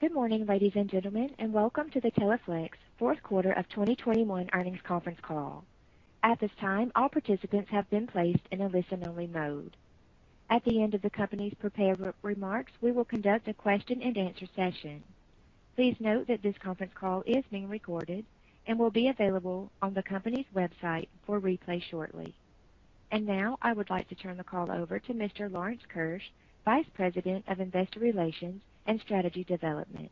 Good morning, ladies and gentlemen, and welcome to the Teleflex Q3 of 2021 earnings conference call. At this time, all participants have been placed in a listen-only mode. At the end of the company's prepared re-remarks, we will conduct a Q&A session. Please note that this conference call is being recorded and will be available on the company's website for replay shortly. Now I would like to turn the call over to Mr. Lawrence Keusch, Vice President of Investor Relations and Strategy Development.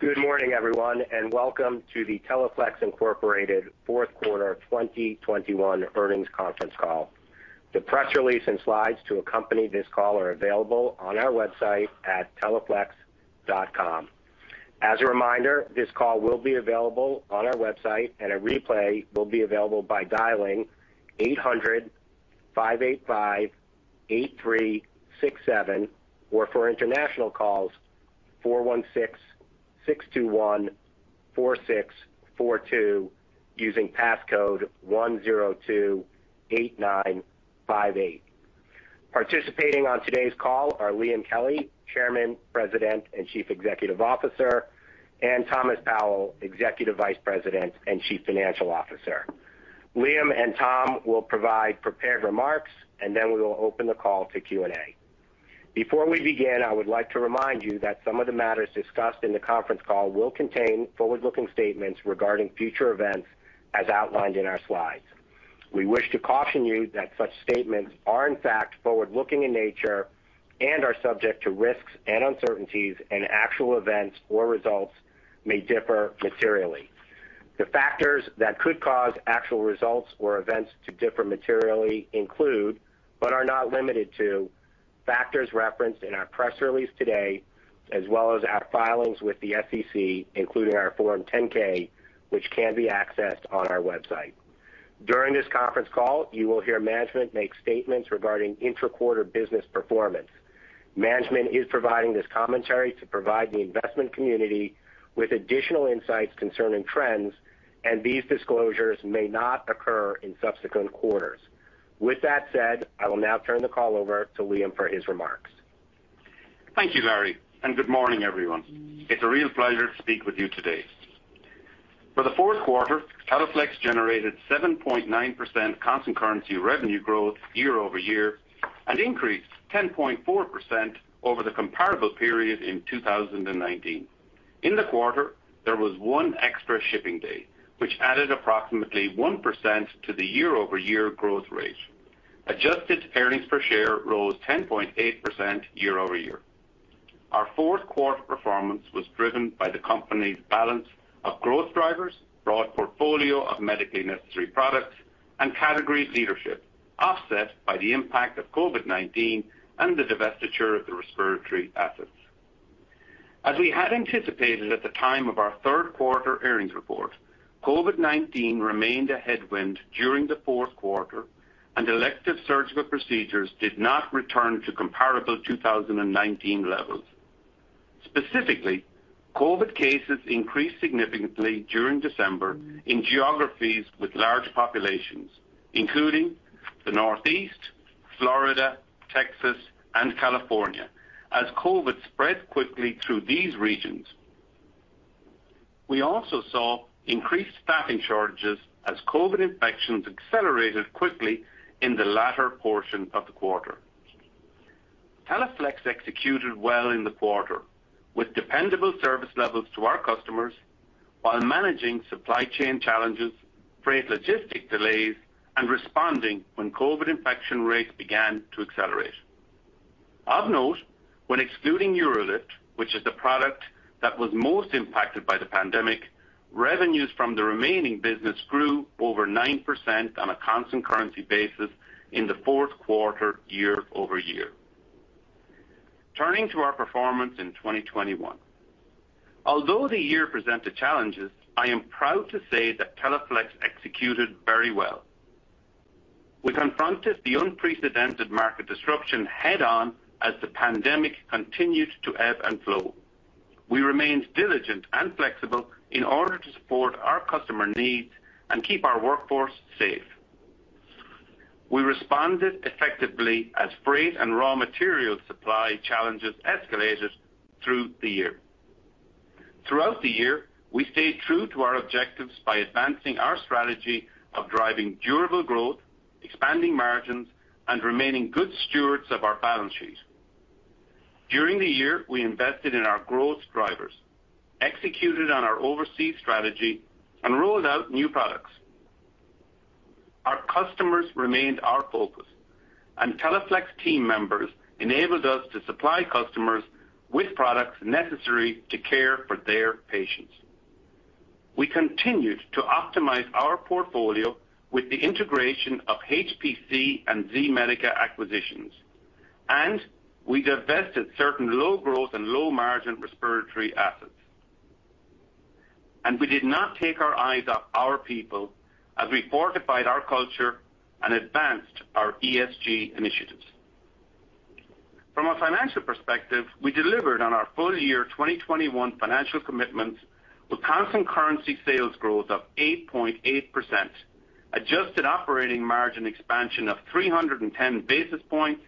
Good morning, everyone, and welcome to the Teleflex Incorporated Q4 2021 earnings conference call. The press release and slides to accompany this call are available on our website at teleflex.com. As a reminder, this call will be available on our website and a replay will be available by dialing 800-585-8367, or for international calls, 416-621-4642 using passcode 1028958. Participating on today's call are Liam Kelly, Chairman, President, and Chief Executive Officer, and Thomas Powell, Executive Vice President and Chief Financial Officer. Liam and Tom will provide prepared remarks, and then we will open the call to Q&A. Before we begin, I would like to remind you that some of the matters discussed in the conference call will contain forward-looking statements regarding future events as outlined in our slides. We wish to caution you that such statements are in fact forward-looking in nature and are subject to risks and uncertainties, and actual events or results may differ materially. The factors that could cause actual results or events to differ materially include, but are not limited to, factors referenced in our press release today, as well as our filings with the SEC, including our Form 10-K, which can be accessed on our website. During this conference call, you will hear management make statements regarding intra-quarter business performance. Management is providing this commentary to provide the investment community with additional insights concerning trends, and these disclosures may not occur in subsequent quarters. With that said, I will now turn the call over to Liam for his remarks. Thank you, Larry, and good morning, everyone. It's a real pleasure to speak with you today. For the Q4, Teleflex generated 7.9% constant currency revenue growth year-over-year and increased 10.4% over the comparable period in 2019. In the quarter, there was one extra shipping day, which added approximately 1% to the year-over-year growth rate. Adjusted earnings per share rose 10.8% year-over-year. Our Q4 performance was driven by the company's balance of growth drivers, broad portfolio of medically necessary products and category leadership, offset by the impact of COVID-19 and the divestiture of the respiratory assets. As we had anticipated at the time of our Q3 earnings report, COVID-19 remained a headwind during the Q4, and elective surgical procedures did not return to comparable 2019 levels. Specifically, COVID cases increased significantly during December in geographies with large populations, including the Northeast, Florida, Texas, and California. As COVID spread quickly through these regions, we also saw increased staffing shortages as COVID infections accelerated quickly in the latter portion of the quarter. Teleflex executed well in the quarter with dependable service levels to our customers while managing supply chain challenges, freight logistics delays, and responding when COVID infection rates began to accelerate. Of note, when excluding UroLift, which is the product that was most impacted by the pandemic, revenues from the remaining business grew over 9% on a constant currency basis in the fourth quarter year-over-year. Turning to our performance in 2021. Although the year presented challenges, I am proud to say that Teleflex executed very well. We confronted the unprecedented market disruption head on as the pandemic continued to ebb and flow. We remained diligent and flexible in order to support our customer needs and keep our workforce safe. We responded effectively as freight and raw material supply challenges escalated through the year. Throughout the year, we stayed true to our objectives by advancing our strategy of driving durable growth, expanding margins, and remaining good stewards of our balance sheet. During the year, we invested in our growth drivers, executed on our overseas strategy, and rolled out new products. Our customers remained our focus, and Teleflex team members enabled us to supply customers with products necessary to care for their patients. We continued to optimize our portfolio with the integration of HPC and Z-Medica acquisitions, and we divested certain low-growth and low-margin respiratory assets. We did not take our eyes off our people as we fortified our culture and advanced our ESG initiatives. From a financial perspective, we delivered on our full year 2021 financial commitments with constant currency sales growth of 8.8%. Adjusted operating margin expansion of 310 basis points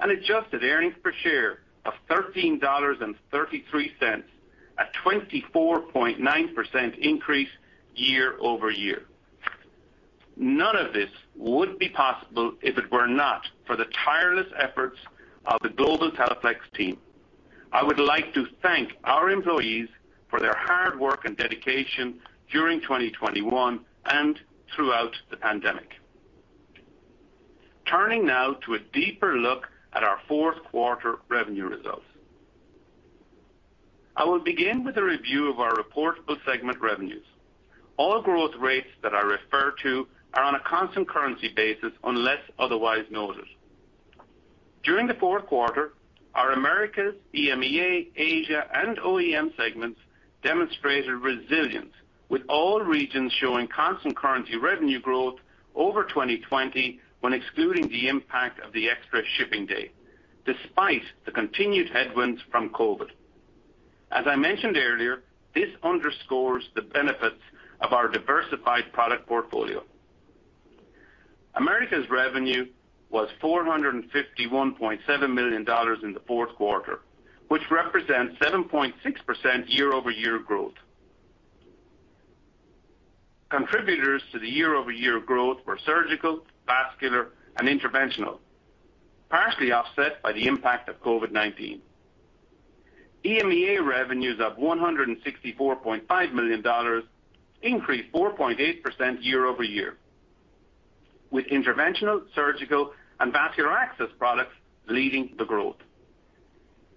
and adjusted earnings per share of $13.33, a 24.9% increase year over year. None of this would be possible if it were not for the tireless efforts of the global Teleflex team. I would like to thank our employees for their hard work and dedication during 2021 and throughout the pandemic. Turning now to a deeper look at our Q4 revenue results. I will begin with a review of our reportable segment revenues. All growth rates that I refer to are on a constant currency basis unless otherwise noted. During the Q4, our Americas, EMEA, Asia and OEM segments demonstrated resilience, with all regions showing constant currency revenue growth over 2020 when excluding the impact of the extra shipping day despite the continued headwinds from COVID-19. As I mentioned earlier, this underscores the benefits of our diversified product portfolio. Americas revenue was $451.7 million in the Q4, which represents 7.6% year-over-year growth. Contributors to the year-over-year growth were surgical, vascular, and interventional, partially offset by the impact of COVID-19. EMEA revenues of $164.5 million increased 4.8% year-over-year, with interventional, surgical and vascular access products leading the growth.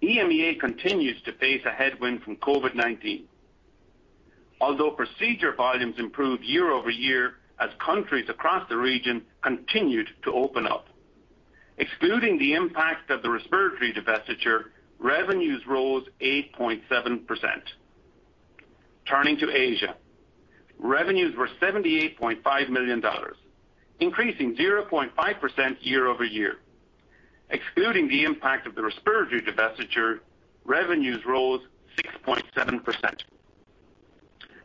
EMEA continues to face a headwind from COVID-19. Although procedure volumes improved year-over-year as countries across the region continued to open up. Excluding the impact of the respiratory divestiture, revenues rose 8.7%. Turning to Asia. Revenues were $78.5 million, increasing 0.5% year-over-year. Excluding the impact of the respiratory divestiture, revenues rose 6.7%.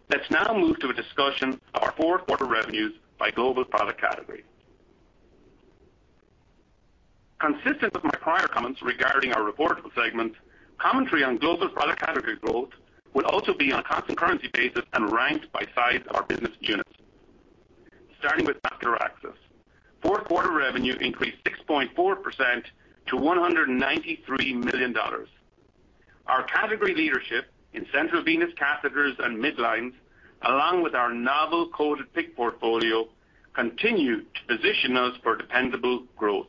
Let's now move to a discussion of our Q4 revenues by global product category. Consistent with my prior comments regarding our reportable segment, commentary on global product category growth will also be on a constant currency basis and ranked by size of our business units. Starting with vascular access.Q4 revenue increased 6.4% to $193 million. Our category leadership in central venous catheters and midlines, along with our novel coated PICC portfolio, continue to position us for dependable growth.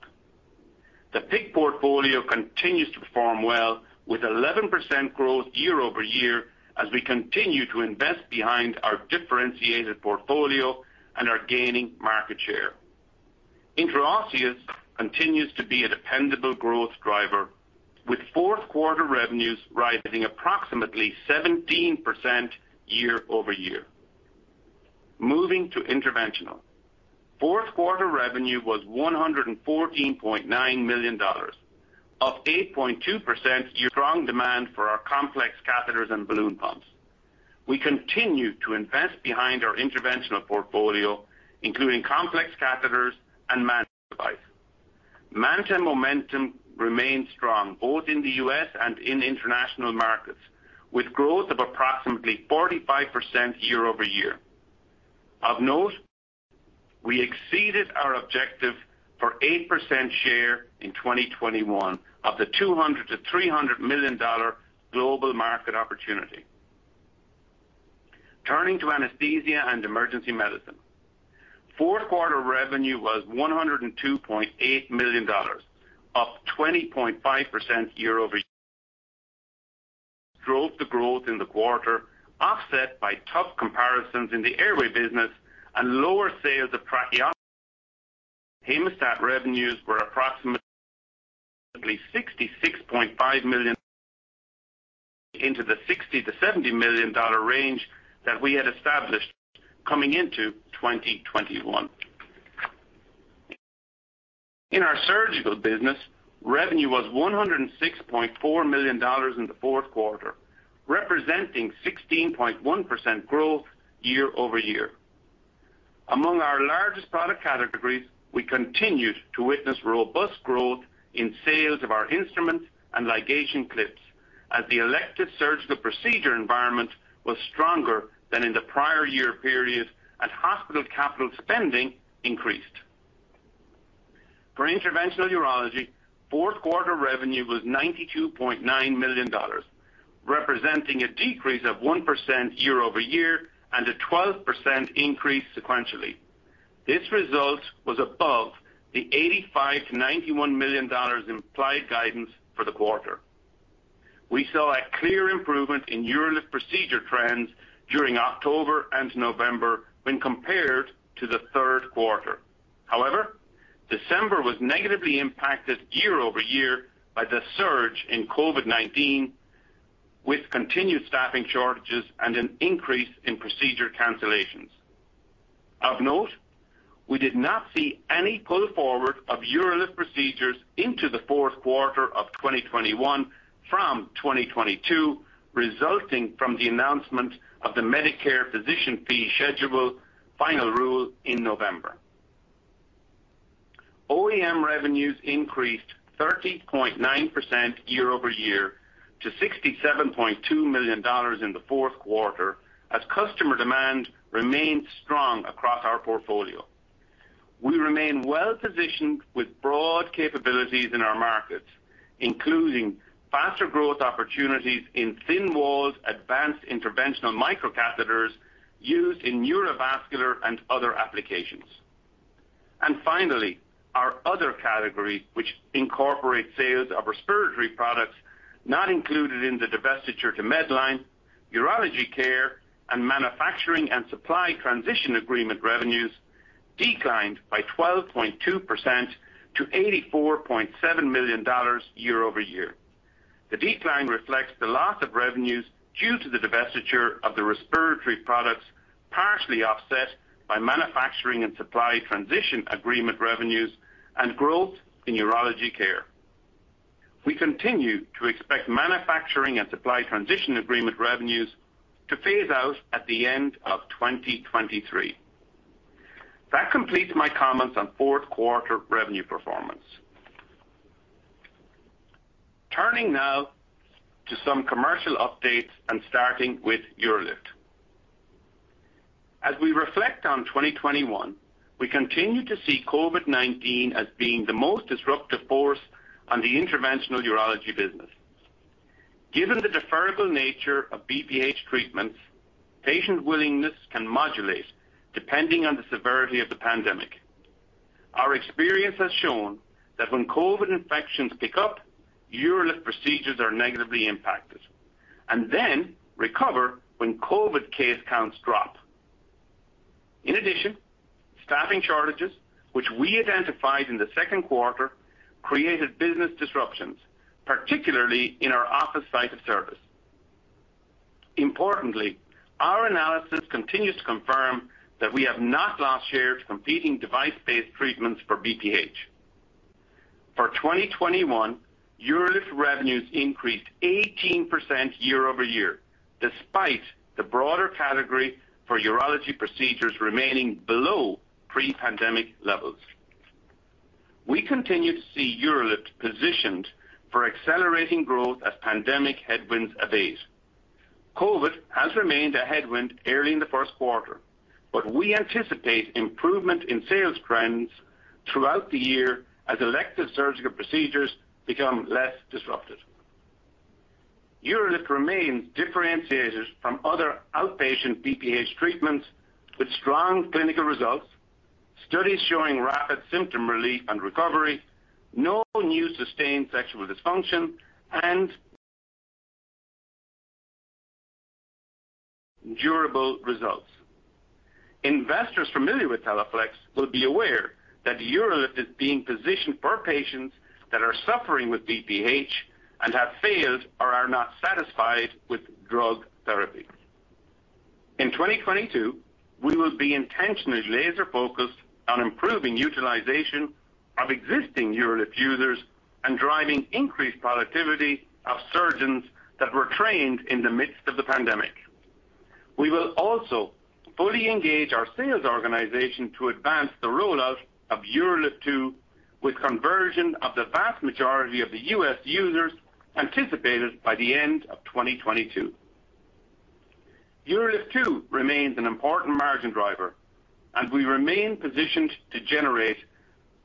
The PICC portfolio continues to perform well with 11% growth year-over-year as we continue to invest behind our differentiated portfolio and are gaining market share. Intraosseous continues to be a dependable growth driver, with Q4 revenues rising approximately 17% year-over-year. Moving to interventional.Q4 revenue was $114.9 million, up 8.2% year-over-year. Strong demand for our complex catheters and balloon pumps. We continue to invest behind our interventional portfolio, including complex catheters and MANTA device. MANTA momentum remains strong both in the U.S. and in international markets, with growth of approximately 45% year-over-year. Of note, we exceeded our objective for 8% share in 2021 of the $200 million-$300 million global market opportunity. Turning to anesthesia and emergency medicine. Q4 revenue was $102.8 million, up 20.5% year-over-year. Interventional drove the growth in the quarter, offset by tough comparisons in the airway business and lower sales of tracheostomy. Hemostat revenues were approximately $66.5 million into the $60 million-$70 million range that we had established coming into 2021. In our surgical business, revenue was $106.4 million in the Q4, representing 16.1% growth year-over-year. Among our largest product categories, we continued to witness robust growth in sales of our instruments and ligation clips as the elective surgical procedure environment was stronger than in the prior year period, and hospital capital spending increased. For interventional urology, Q4 revenue was $92.9 million, representing a decrease of 1% year-over-year and a 12% increase sequentially. This result was above the $85 million-$91 million implied guidance for the quarter. We saw a clear improvement in UroLift procedure trends during October and November when compared to the Q3. However, December was negatively impacted year-over-year by the surge in COVID-19, with continued staffing shortages and an increase in procedure cancellations. Of note, we did not see any pull forward of UroLift procedures into the Q3 of 2021 from 2022, resulting from the announcement of the Medicare physician fee schedule final rule in November. OEM revenues increased 13.9% year-over-year to $67.2 million in the Q4, as customer demand remained strong across our portfolio. We remain well-positioned with broad capabilities in our markets, including faster growth opportunities in thin-walled, advanced interventional micro catheters used in neurovascular and other applications. Finally, our other category, which incorporates sales of respiratory products not included in the divestiture to Medline, urology care and manufacturing and supply transition agreement revenues declined by 12.2% to $84.7 million year over year. The decline reflects the loss of revenues due to the divestiture of the respiratory products, partially offset by manufacturing and supply transition agreement revenues and growth in urology care. We continue to expect manufacturing and supply transition agreement revenues to phase out at the end of 2023. That completes my comments on Q4 revenue performance. Turning now to some commercial updates and starting with UroLift. As we reflect on 2021, we continue to see COVID-19 as being the most disruptive force on the interventional urology business. Given the deferrable nature of BPH treatments, patient willingness can modulate depending on the severity of the pandemic. Our experience has shown that when COVID infections pick up, UroLift procedures are negatively impacted and then recover when COVID case counts drop. In addition, staffing shortages, which we identified in the Q2, created business disruptions, particularly in our office site of service. Importantly, our analysis continues to confirm that we have not lost share to competing device-based treatments for BPH. For 2021, UroLift revenues increased 18% year-over-year, despite the broader category for urology procedures remaining below pre-pandemic levels. We continue to see UroLift positioned for accelerating growth as pandemic headwinds abate. COVID has remained a headwind early in the Q1, but we anticipate improvement in sales trends throughout the year as elective surgical procedures become less disrupted. UroLift remains differentiated from other outpatient BPH treatments with strong clinical results, studies showing rapid symptom relief and recovery, no new sustained sexual dysfunction, and durable results. Investors familiar with Teleflex will be aware that the UroLift is being positioned for patients that are suffering with BPH and have failed or are not satisfied with drug therapy. In 2022, we will be intentionally laser-focused on improving utilization of existing UroLift users and driving increased productivity of surgeons that were trained in the midst of the pandemic. We will also fully engage our sales organization to advance the rollout of UroLift 2, with conversion of the vast majority of the U.S. users anticipated by the end of 2022. UroLift 2 remains an important margin driver, and we remain positioned to generate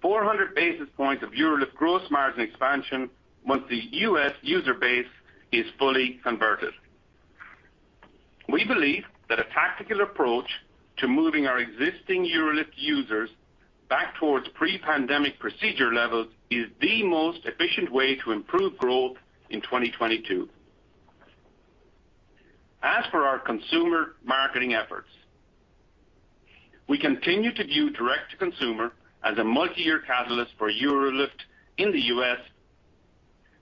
400 basis points of UroLift gross margin expansion once the U.S. user base is fully converted. We believe that a tactical approach to moving our existing UroLift users back towards pre-pandemic procedure levels is the most efficient way to improve growth in 2022. As for our consumer marketing efforts, we continue to view direct-to-consumer as a multiyear catalyst for UroLift in the U.S.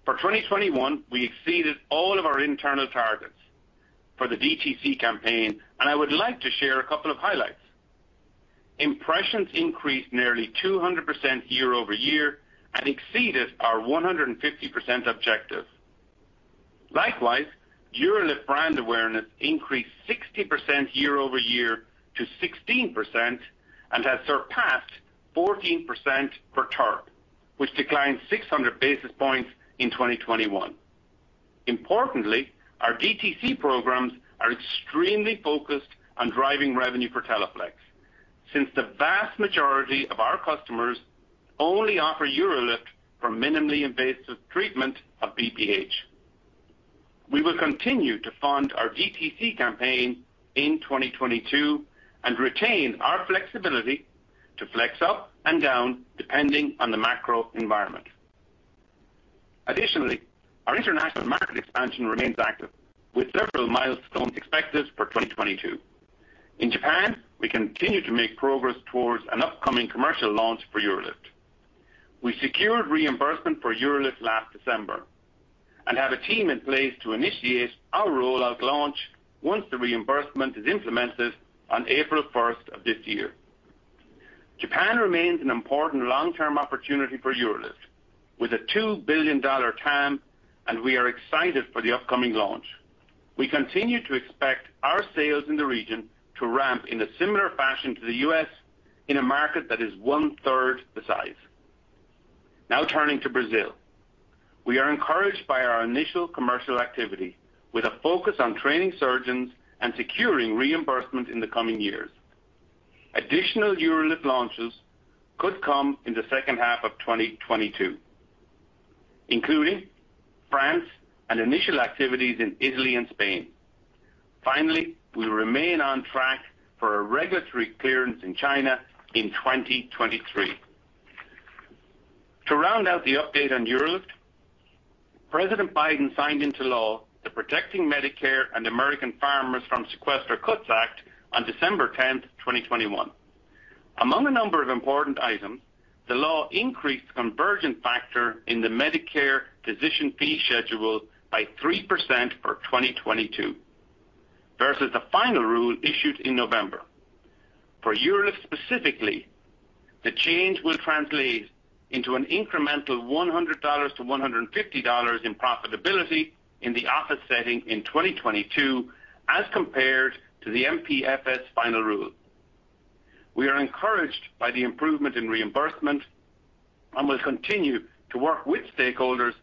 For 2021, we exceeded all of our internal targets for the DTC campaign, and I would like to share a couple of highlights. Impressions increased nearly 200% year-over-year and exceeded our 150% objective. Likewise, UroLift brand awareness increased 60% year-over-year to 16% and has surpassed 14% for TURP, which declined 600 basis points in 2021. Importantly, our DTC programs are extremely focused on driving revenue for Teleflex, since the vast majority of our customers only offer UroLift for minimally invasive treatment of BPH. We will continue to fund our DTC campaign in 2022 and retain our flexibility to flex up and down, depending on the macro environment. Additionally, our international market expansion remains active, with several milestones expected for 2022. In Japan, we continue to make progress towards an upcoming commercial launch for UroLift. We secured reimbursement for UroLift last December and have a team in place to initiate our rollout launch once the reimbursement is implemented on April first of this year. Japan remains an important long-term opportunity for UroLift, with a $2 billion TAM, and we are excited for the upcoming launch. We continue to expect our sales in the region to ramp in a similar fashion to the U.S. in a market that is one-third the size. Now turning to Brazil. We are encouraged by our initial commercial activity with a focus on training surgeons and securing reimbursement in the coming years. Additional UroLift launches could come in the second half of 2022, including France and initial activities in Italy and Spain. Finally, we remain on track for a regulatory clearance in China in 2023. To round out the update on UroLift, President Biden signed into law the Protecting Medicare and American Farmers from Sequester Cuts Act on December 10, 2021. Among a number of important items, the law increased conversion factor in the Medicare physician fee schedule by 3% for 2022 versus the final rule issued in November. For UroLift specifically, the change will translate into an incremental $100-$150 in profitability in the office setting in 2022 as compared to the MPFS final rule. We are encouraged by the improvement in reimbursement and will continue to work with stakeholders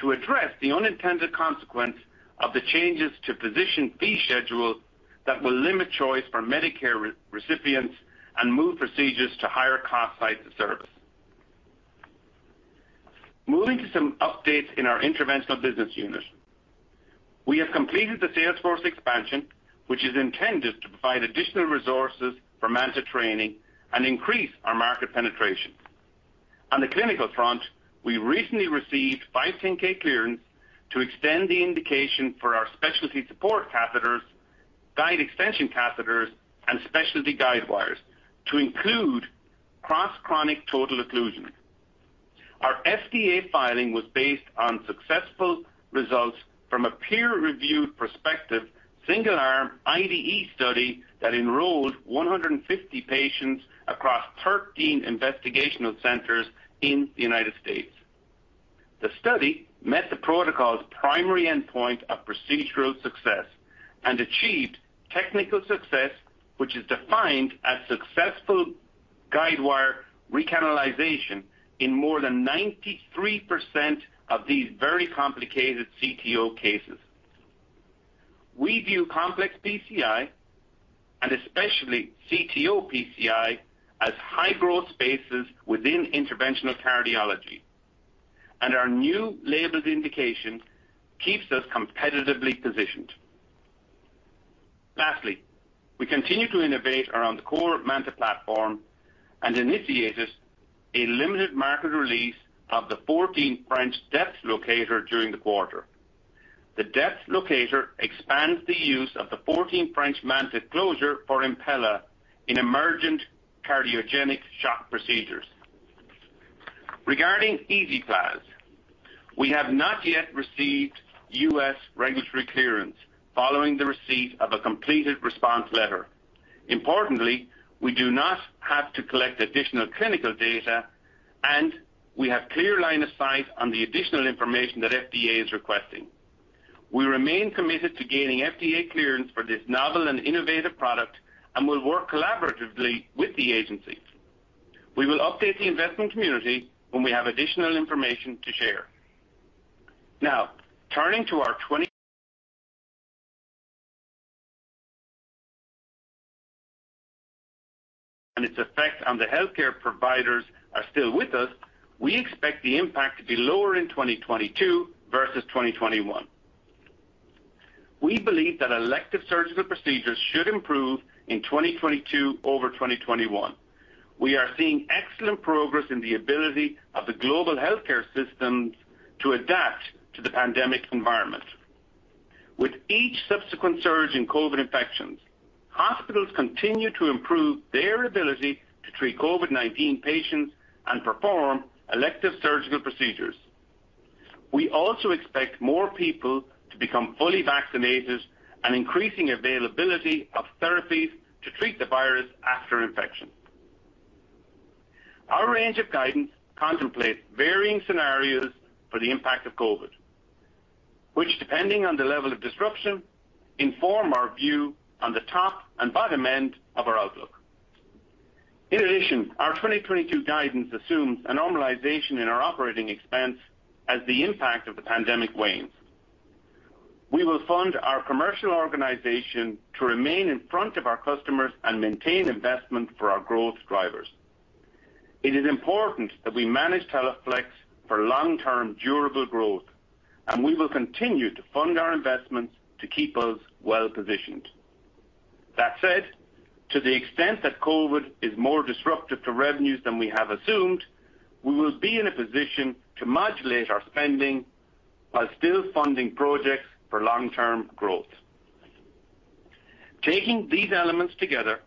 to address the unintended consequence of the changes to physician fee schedule that will limit choice for Medicare recipients and move procedures to higher cost sites of service. Moving to some updates in our Interventional business unit. We have completed the sales force expansion, which is intended to provide additional resources for MANTA training and increase our market penetration. On the clinical front, we recently received 510K clearance to extend the indication for our specialty support catheters, guide extension catheters, and specialty guide wires to include cross-chronic total occlusion. Our FDA filing was based on successful results from a peer-reviewed prospective single-arm IDE study that enrolled 150 patients across 13 investigational centers in the United States. The study met the protocol's primary endpoint of procedural success and achieved technical success, which is defined as successful guide wire recanalization in more than 93% of these very complicated CTO cases. We view complex PCI, and especially CTO PCI, as high growth spaces within interventional cardiology. Our new labeled indication keeps us competitively positioned. Lastly, we continue to innovate around the core MANTA platform and initiated a limited market release of the 14 French depth locator during the quarter. The depth locator expands the use of the 14 French MANTA closure for Impella in emergent cardiogenic shock procedures. Regarding QuikClot, we have not yet received U.S. regulatory clearance following the receipt of a completed response letter. Importantly, we do not have to collect additional clinical data, and we have clear line of sight on the additional information that FDA is requesting. We remain committed to gaining FDA clearance for this novel and innovative product and will work collaboratively with the agencies. We will update the investment community when we have additional information to share. Now, turning to Omicron and its effects. The healthcare provider shortages are still with us. We expect the impact to be lower in 2022 versus 2021. We believe that elective surgical procedures should improve in 2022 over 2021. We are seeing excellent progress in the ability of the global healthcare systems to adapt to the pandemic environment. With each subsequent surge in COVID infections, hospitals continue to improve their ability to treat COVID-19 patients and perform elective surgical procedures. We also expect more people to become fully vaccinated and increasing availability of therapies to treat the virus after infection. Our range of guidance contemplates varying scenarios for the impact of COVID, which depending on the level of disruption, inform our view on the top and bottom end of our outlook. In addition, our 2022 guidance assumes a normalization in our operating expense as the impact of the pandemic wanes. We will fund our commercial organization to remain in front of our customers and maintain investment for our growth drivers. It is important that we manage Teleflex for long-term durable growth, and we will continue to fund our investments to keep us well-positioned. That said, to the extent that COVID is more disruptive to revenues than we have assumed, we will be in a position to modulate our spending while still funding projects for long-term growth. Taking these elements together,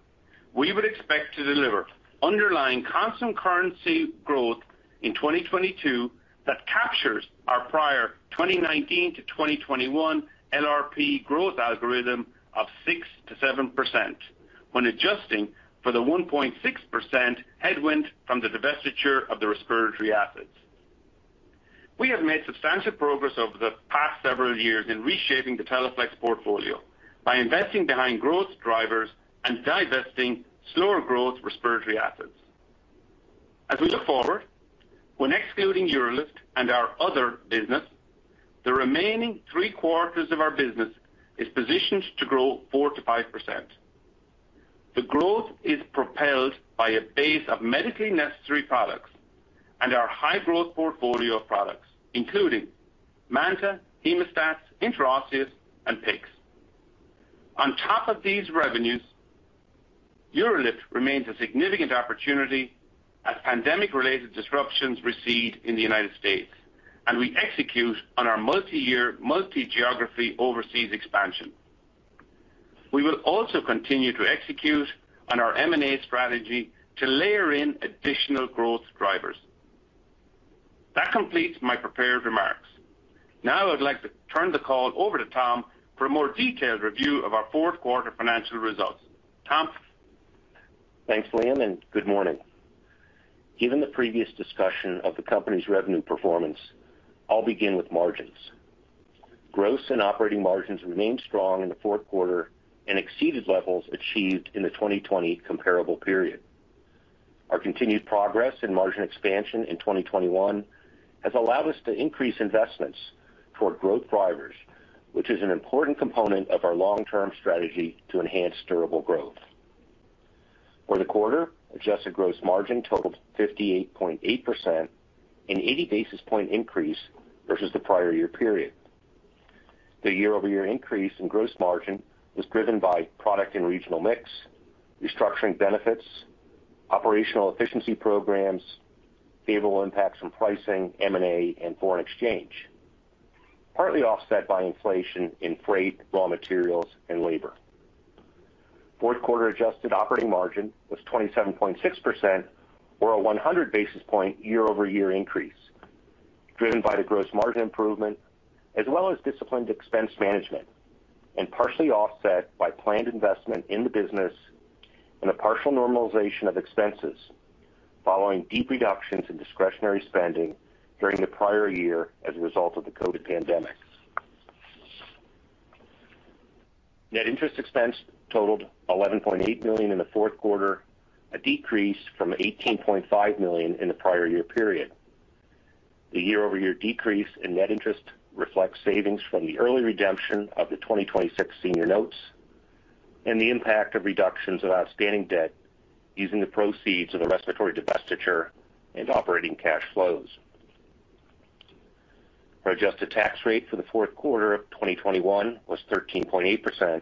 we would expect to deliver underlying constant currency growth in 2022 that captures our prior 2019-2021 LRP growth algorithm of 6%-7% when adjusting for the 1.6% headwind from the divestiture of the respiratory assets. We have made substantial progress over the past several years in reshaping the Teleflex portfolio by investing behind growth drivers and divesting slower growth respiratory assets. As we look forward, when excluding UroLift and our other business, the remaining three-quarters of our business is positioned to grow 4%-5%. The growth is propelled by a base of medically necessary products and our high-growth portfolio of products, including MANTA, Hemostat, Intraosseous, and PICCs. On top of these revenues, UroLift remains a significant opportunity as pandemic-related disruptions recede in the United States, and we execute on our multi-year, multi-geography overseas expansion. We will also continue to execute on our M&A strategy to layer in additional growth drivers. That completes my prepared remarks. Now I would like to turn the call over to Tom for a more detailed review of our fourth quarter financial results. Tom? Thanks, Liam, and good morning. Given the previous discussion of the company's revenue performance, I'll begin with margins. Gross and operating margins remained strong in the fourth quarter and exceeded levels achieved in the 2020 comparable period. Our continued progress in margin expansion in 2021 has allowed us to increase investments toward growth drivers, which is an important component of our long-term strategy to enhance durable growth. For the quarter, adjusted gross margin totaled 58.8%, an 80 basis point increase versus the prior year period. The year-over-year increase in gross margin was driven by product and regional mix, restructuring benefits, operational efficiency programs, favorable impacts from pricing, M&A, and foreign exchange, partly offset by inflation in freight, raw materials, and labor. Fourth quarter adjusted operating margin was 27.6% or a 100 basis point year-over-year increase, driven by the gross margin improvement as well as disciplined expense management, and partially offset by planned investment in the business and a partial normalization of expenses following deep reductions in discretionary spending during the prior year as a result of the COVID pandemic. Net interest expense totaled $11.8 million in the fourth quarter, a decrease from $18.5 million in the prior year period. The year-over-year decrease in net interest reflects savings from the early redemption of the 2026 senior notes and the impact of reductions of outstanding debt using the proceeds of the respiratory divestiture and operating cash flows. Our adjusted tax rate for the fourth quarter of 2021 was 13.8%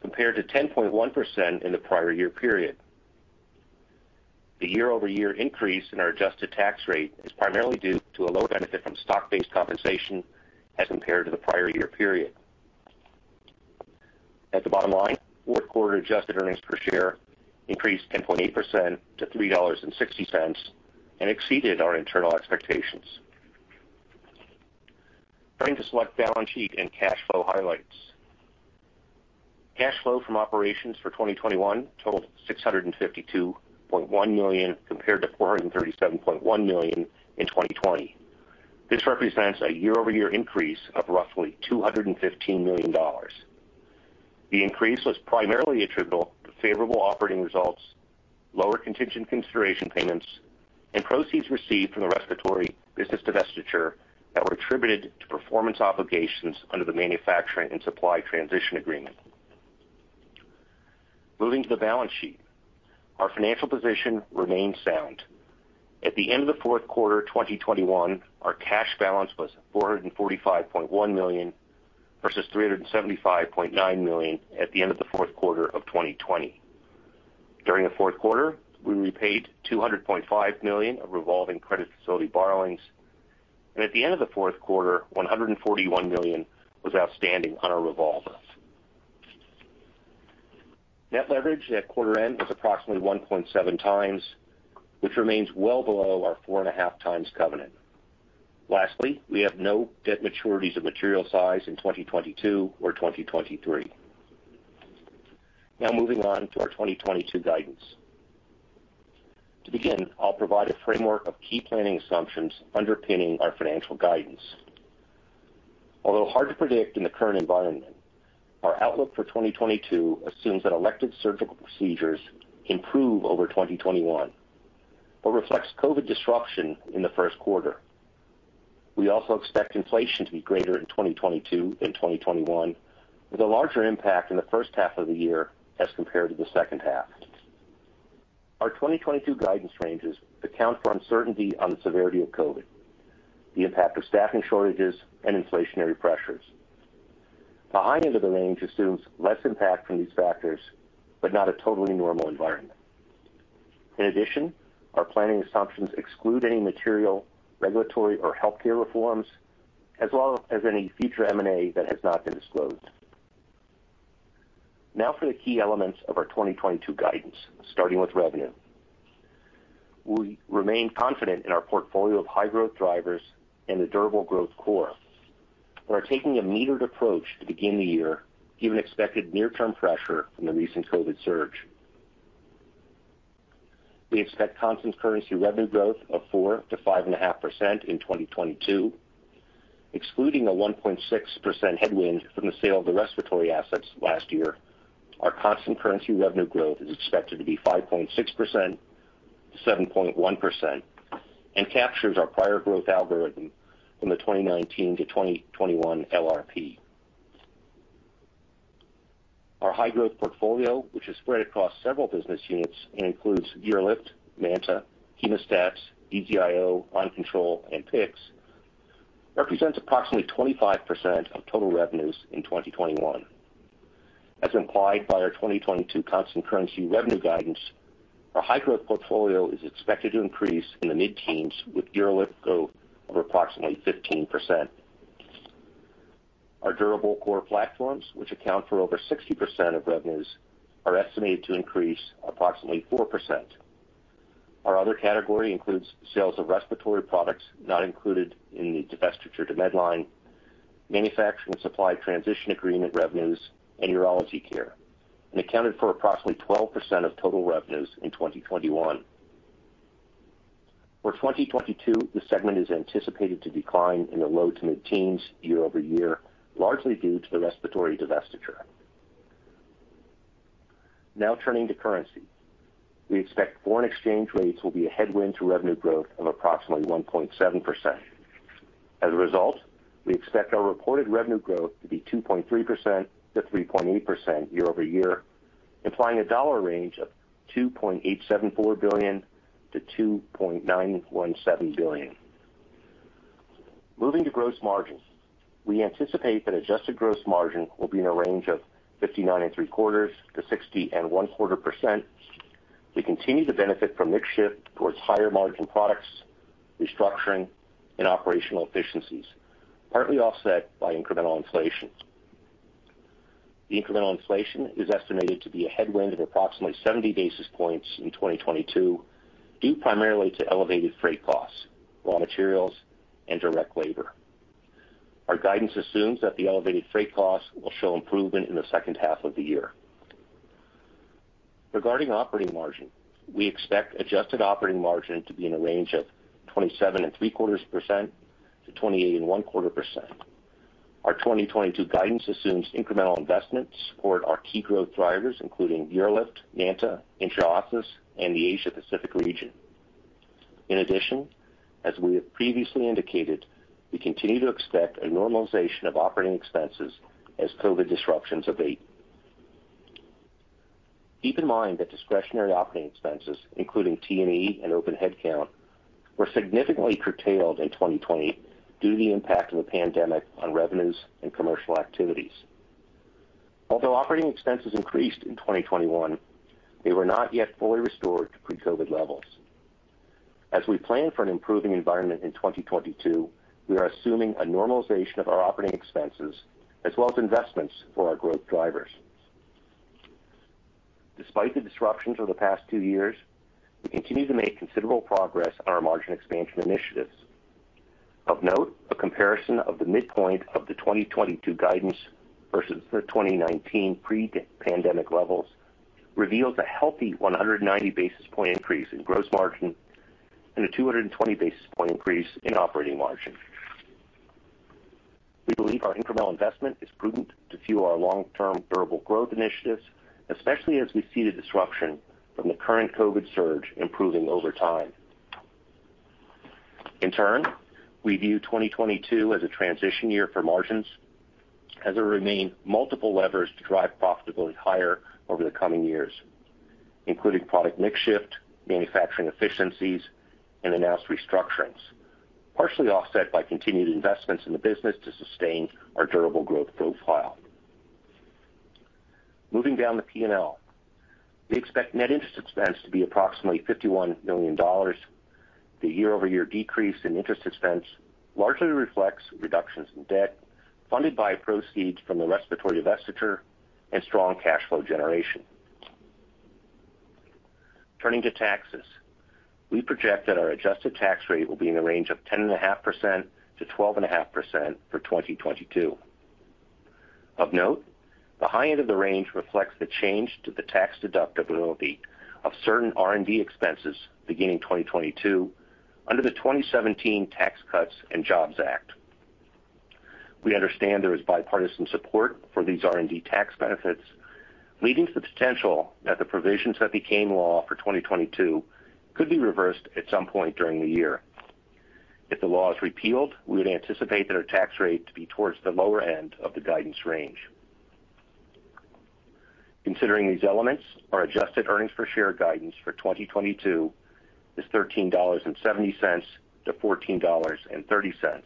compared to 10.1% in the prior year period. The year-over-year increase in our adjusted tax rate is primarily due to a lower benefit from stock-based compensation as compared to the prior year period. At the bottom line, fourth quarter adjusted earnings per share increased 10.8% to $3.60 and exceeded our internal expectations. Turning to select balance sheet and cash flow highlights. Cash flow from operations for 2021 totaled $652.1 million compared to $437.1 million in 2020. This represents a year-over-year increase of roughly $215 million. The increase was primarily attributable to favorable operating results, lower contingent consideration payments, and proceeds received from the respiratory business divestiture that were attributed to performance obligations under the manufacturing and supply transition agreement. Moving to the balance sheet. Our financial position remains sound. At the end of the Q4 2021, our cash balance was $445.1 million versus $375.9 million at the end of the Q4 of 2020. During the Q4, we repaid $200.5 million of revolving credit facility borrowings. At the end of the Q4, $141 million was outstanding on our revolver. Net leverage at quarter end was approximately 1.7x, which remains well below our 4.5x covenant. Lastly, we have no debt maturities of material size in 2022 or 2023. Now moving on to our 2022 guidance. To begin, I'll provide a framework of key planning assumptions underpinning our financial guidance. Although hard to predict in the current environment, our outlook for 2022 assumes that elective surgical procedures improve over 2021, but reflects COVID disruption in the Q1. We also expect inflation to be greater in 2022 than 2021, with a larger impact in the first half of the year as compared to the second half. Our 2022 guidance ranges account for uncertainty on the severity of COVID, the impact of staffing shortages, and inflationary pressures. The high end of the range assumes less impact from these factors, but not a totally normal environment. In addition, our planning assumptions exclude any material regulatory or healthcare reforms as well as any future M&A that has not been disclosed. Now for the key elements of our 2022 guidance, starting with revenue. We remain confident in our portfolio of high-growth drivers and the durable growth core. We are taking a metered approach to begin the year given expected near-term pressure from the recent COVID surge. We expect constant currency revenue growth of 4%-5.5% in 2022. Excluding a 1.6% headwind from the sale of the respiratory assets last year, our constant currency revenue growth is expected to be 5.6%-7.1% and captures our prior growth algorithm from the 2019-2021 LRP. Our high-growth portfolio, which is spread across several business units and includes UroLift, MANTA, Hemostats, EZ-IO, LMA, and PICCs, represents approximately 25% of total revenues in 2021. As implied by our 2022 constant currency revenue guidance, our high-growth portfolio is expected to increase in the mid-teens with UroLift growth of approximately 15%. Our durable core platforms, which account for over 60% of revenues, are estimated to increase approximately 4%. Our other category includes sales of respiratory products not included in the divestiture to Medline, manufacturing supply transition agreement revenues, and urology care, and accounted for approximately 12% of total revenues in 2021. For 2022, the segment is anticipated to decline in the low to mid-teens year-over-year, largely due to the respiratory divestiture. Now turning to currency. We expect foreign exchange rates will be a headwind to revenue growth of approximately 1.7%. As a result, we expect our reported revenue growth to be 2.3%-3.8% year-over-year, implying a range of $2.874 billion-$2.917 billion. Moving to gross margin. We anticipate that adjusted gross margin will be in a range of 59.75%-60.25%. We continue to benefit from mix shift towards higher margin products, restructuring, and operational efficiencies, partly offset by incremental inflation. The incremental inflation is estimated to be a headwind of approximately 70 basis points in 2022, due primarily to elevated freight costs, raw materials, and direct labor. Our guidance assumes that the elevated freight costs will show improvement in the second half of the year. Regarding operating margin, we expect adjusted operating margin to be in a range of 27.75%-28.25%. Our 2022 guidance assumes incremental investments support our key growth drivers, including UroLift, MANTA, intraosseous, and the Asia Pacific region. In addition, as we have previously indicated, we continue to expect a normalization of operating expenses as COVID disruptions abate. Keep in mind that discretionary operating expenses, including T&E and open headcount, were significantly curtailed in 2020 due to the impact of the pandemic on revenues and commercial activities. Although operating expenses increased in 2021, they were not yet fully restored to pre-COVID levels. As we plan for an improving environment in 2022, we are assuming a normalization of our operating expenses as well as investments for our growth drivers. Despite the disruptions over the past two years, we continue to make considerable progress on our margin expansion initiatives. Of note, a comparison of the midpoint of the 2022 guidance versus the 2019 pre-pandemic levels reveals a healthy 190 basis point increase in gross margin and a 220 basis point increase in operating margin. We believe our incremental investment is prudent to fuel our long-term durable growth initiatives, especially as we see the disruption from the current COVID surge improving over time. In turn, we view 2022 as a transition year for margins, as there remain multiple levers to drive profitability higher over the coming years, including product mix shift, manufacturing efficiencies, and announced restructurings, partially offset by continued investments in the business to sustain our durable growth profile. Moving down the P&L. We expect net interest expense to be approximately $51 million. The year-over-year decrease in interest expense largely reflects reductions in debt funded by proceeds from the respiratory divestiture and strong cash flow generation. Turning to taxes. We project that our adjusted tax rate will be in the range of 10.5%-12.5% for 2022. Of note, the high end of the range reflects the change to the tax deductibility of certain R&D expenses beginning 2022 under the 2017 Tax Cuts and Jobs Act. We understand there is bipartisan support for these R&D tax benefits, leading to the potential that the provisions that became law for 2022 could be reversed at some point during the year. If the law is repealed, we would anticipate that our tax rate to be towards the lower end of the guidance range. Considering these elements, our adjusted earnings per share guidance for 2022 is $13.70-$14.30,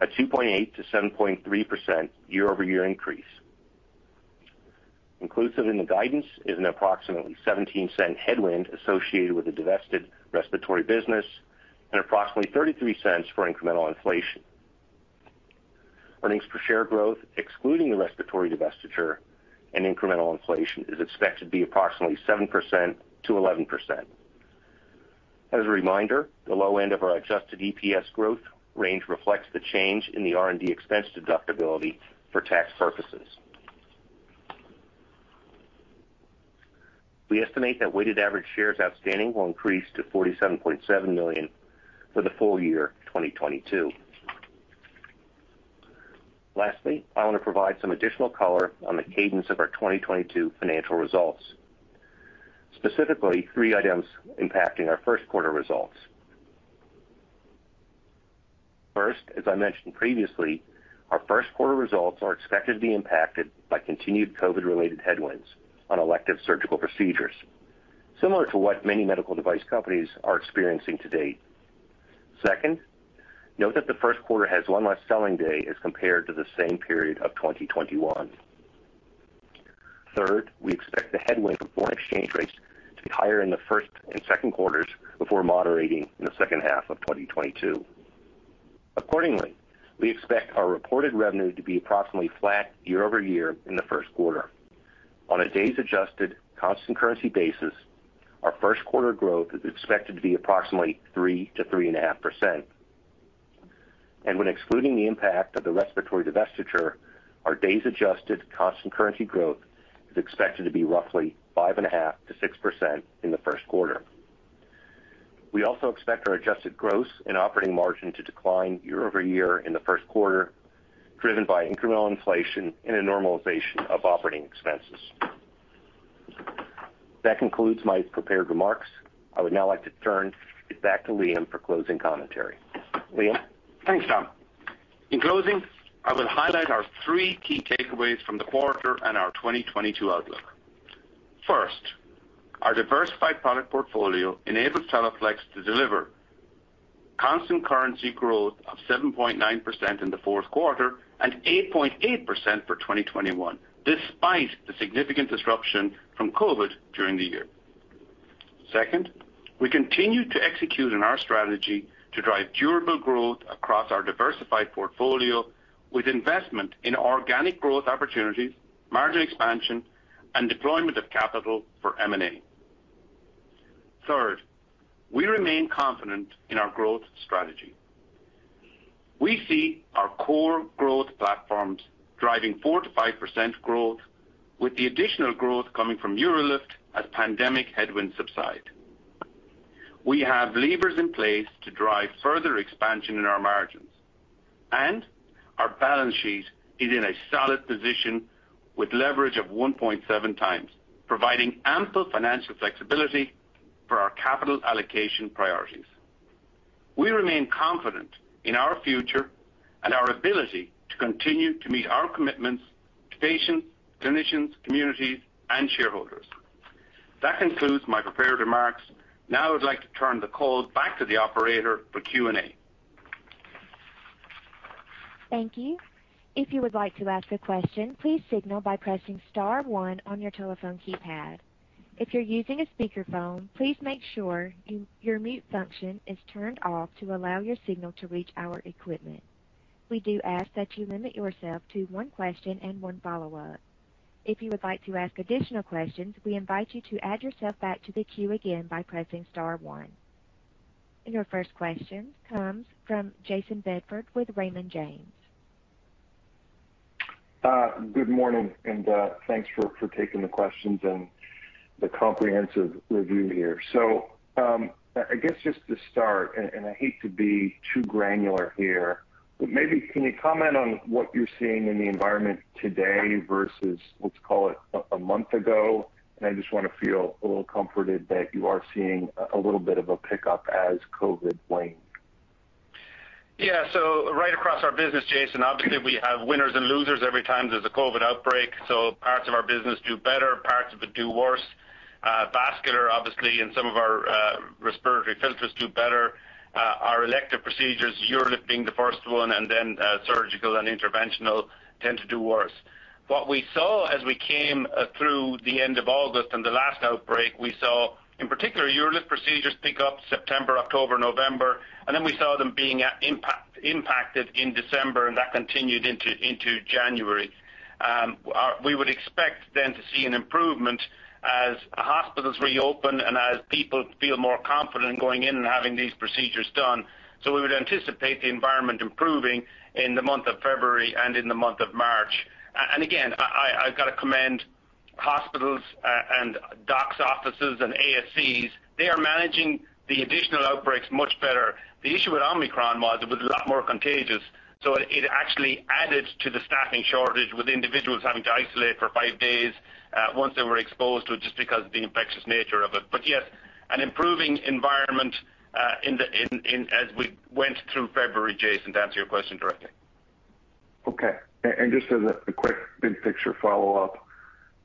a 2.8%-7.3% year-over-year increase. Inclusive in the guidance is an approximately $0.17 headwind associated with the divested respiratory business and approximately $0.33 for incremental inflation. Earnings per share growth, excluding the respiratory divestiture and incremental inflation, is expected to be approximately 7%-11%. As a reminder, the low end of our adjusted EPS growth range reflects the change in the R&D expense deductibility for tax purposes. We estimate that weighted average shares outstanding will increase to $47.7 million for the full year 2022. Lastly, I want to provide some additional color on the cadence of our 2022 financial results, specifically three items impacting our first quarter results. First, as I mentioned previously, our first quarter results are expected to be impacted by continued COVID-related headwinds on elective surgical procedures, similar to what many medical device companies are experiencing to date. Second, note that the Q1 has one less selling day as compared to the same period of 2021. Third, we expect the headwind from foreign exchange rates to be higher in the first and Q2 before moderating in the second half of 2022. Accordingly, we expect our reported revenue to be approximately flat year-over-year in the Q1. On a days adjusted constant currency basis, ourQ1 growth is expected to be approximately 3%-3.5%. When excluding the impact of the respiratory divestiture, our days adjusted constant currency growth is expected to be roughly 5.5%-6% in the first quarter. We also expect our adjusted gross and operating margin to decline year-over-year in the first quarter, driven by incremental inflation and a normalization of operating expenses. That concludes my prepared remarks. I would now like to turn it back to Liam for closing commentary. Liam? Thanks, Tom. In closing, I will highlight our three key takeaways from the quarter and our 2022 outlook. First, our diversified product portfolio enables Teleflex to deliver constant currency growth of 7.9% in the fourth quarter and 8.8% for 2021, despite the significant disruption from COVID during the year. Second, we continue to execute on our strategy to drive durable growth across our diversified portfolio with investment in organic growth opportunities, margin expansion, and deployment of capital for M&A. Third, we remain confident in our growth strategy. We see our core growth platforms driving 4%-5% growth with the additional growth coming from UroLift as pandemic headwinds subside. We have levers in place to drive further expansion in our margins, and our balance sheet is in a solid position with leverage of 1.7x, providing ample financial flexibility for our capital allocation priorities. We remain confident in our future and our ability to continue to meet our commitments to patients, clinicians, communities, and shareholders. That concludes my prepared remarks. Now I would like to turn the call back to the operator for Q&A. Thank you. If you would like to ask a question, please signal by pressing star one on your telephone keypad. If you're using a speakerphone, please make sure your mute function is turned off to allow your signal to reach our equipment. We do ask that you limit yourself to one question and one follow-up. If you would like to ask additional questions, we invite you to add yourself back to the queue again by pressing star one. Your first question comes from Jayson Bedford with Raymond James. Good morning, and thanks for taking the questions and the comprehensive review here. I guess just to start, I hate to be too granular here, but maybe can you comment on what you're seeing in the environment today versus, let's call it, a month ago? I just wanna feel a little comforted that you are seeing a little bit of a pickup as COVID wanes. Yeah. Right across our business, Jayson, obviously, we have winners and losers every time there's a COVID outbreak. Parts of our business do better, parts of it do worse. Vascular, obviously, and some of our respiratory filters do better. Our elective procedures, UroLift being the first one, and then surgical and interventional tend to do worse. What we saw as we came through the end of August and the last outbreak, we saw, in particular, UroLift procedures pick up September, October, November, and then we saw them being impacted in December, and that continued into January. We would expect then to see an improvement as hospitals reopen and as people feel more confident going in and having these procedures done. We would anticipate the environment improving in the month of February and in the month of March. Again, I've got to commend hospitals and docs offices and ASCs. They are managing the additional outbreaks much better. The issue with Omicron was it was a lot more contagious, so it actually added to the staffing shortage with individuals having to isolate for five days once they were exposed to it just because of the infectious nature of it. Yes, an improving environment as we went through February, Jayson, to answer your question directly. Okay. Just as a quick big picture follow-up.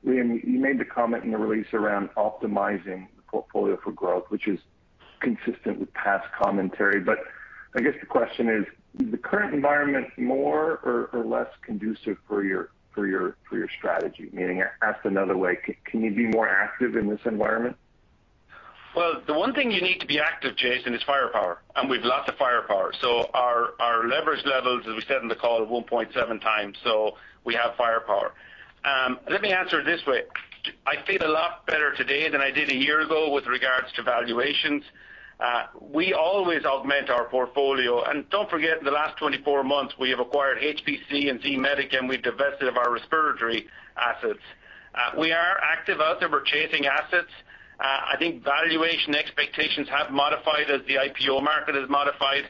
Liam, you made the comment in the release around optimizing the portfolio for growth, which is consistent with past commentary. I guess the question is the current environment more or less conducive for your strategy? Meaning, asked another way, can you be more active in this environment? Well, the one thing you need to be active, Jayson, is firepower, and we've lots of firepower. Our leverage levels, as we said in the call, are 1.7x, so we have firepower. Let me answer it this way. I feel a lot better today than I did a year ago with regards to valuations. We always augment our portfolio. Don't forget, in the last 24 months, we have acquired HPC and Z-Medica, and we divested of our respiratory assets. We are active out there. We're chasing assets. I think valuation expectations have modified as the IPO market has modified.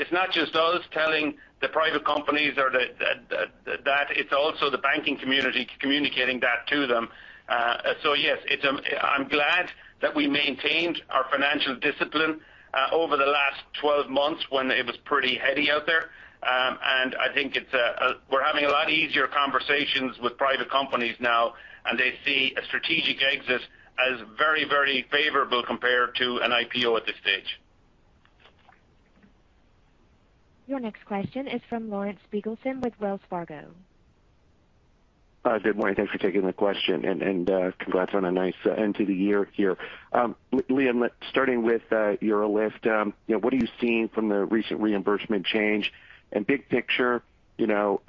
It's not just us telling the private companies, it's also the banking community communicating that to them. Yes, I'm glad that we maintained our financial discipline over the last 12 months when it was pretty heady out there. I think we're having a lot easier conversations with private companies now, and they see a strategic exit as very, very favorable compared to an IPO at this stage. Your next question is from Larry Biegelsen with Wells Fargo. Hi. Good morning. Thanks for taking the question and congrats on a nice end to the year here. Liam, starting with your UroLift, you know, what are you seeing from the recent reimbursement change? Big picture, you know,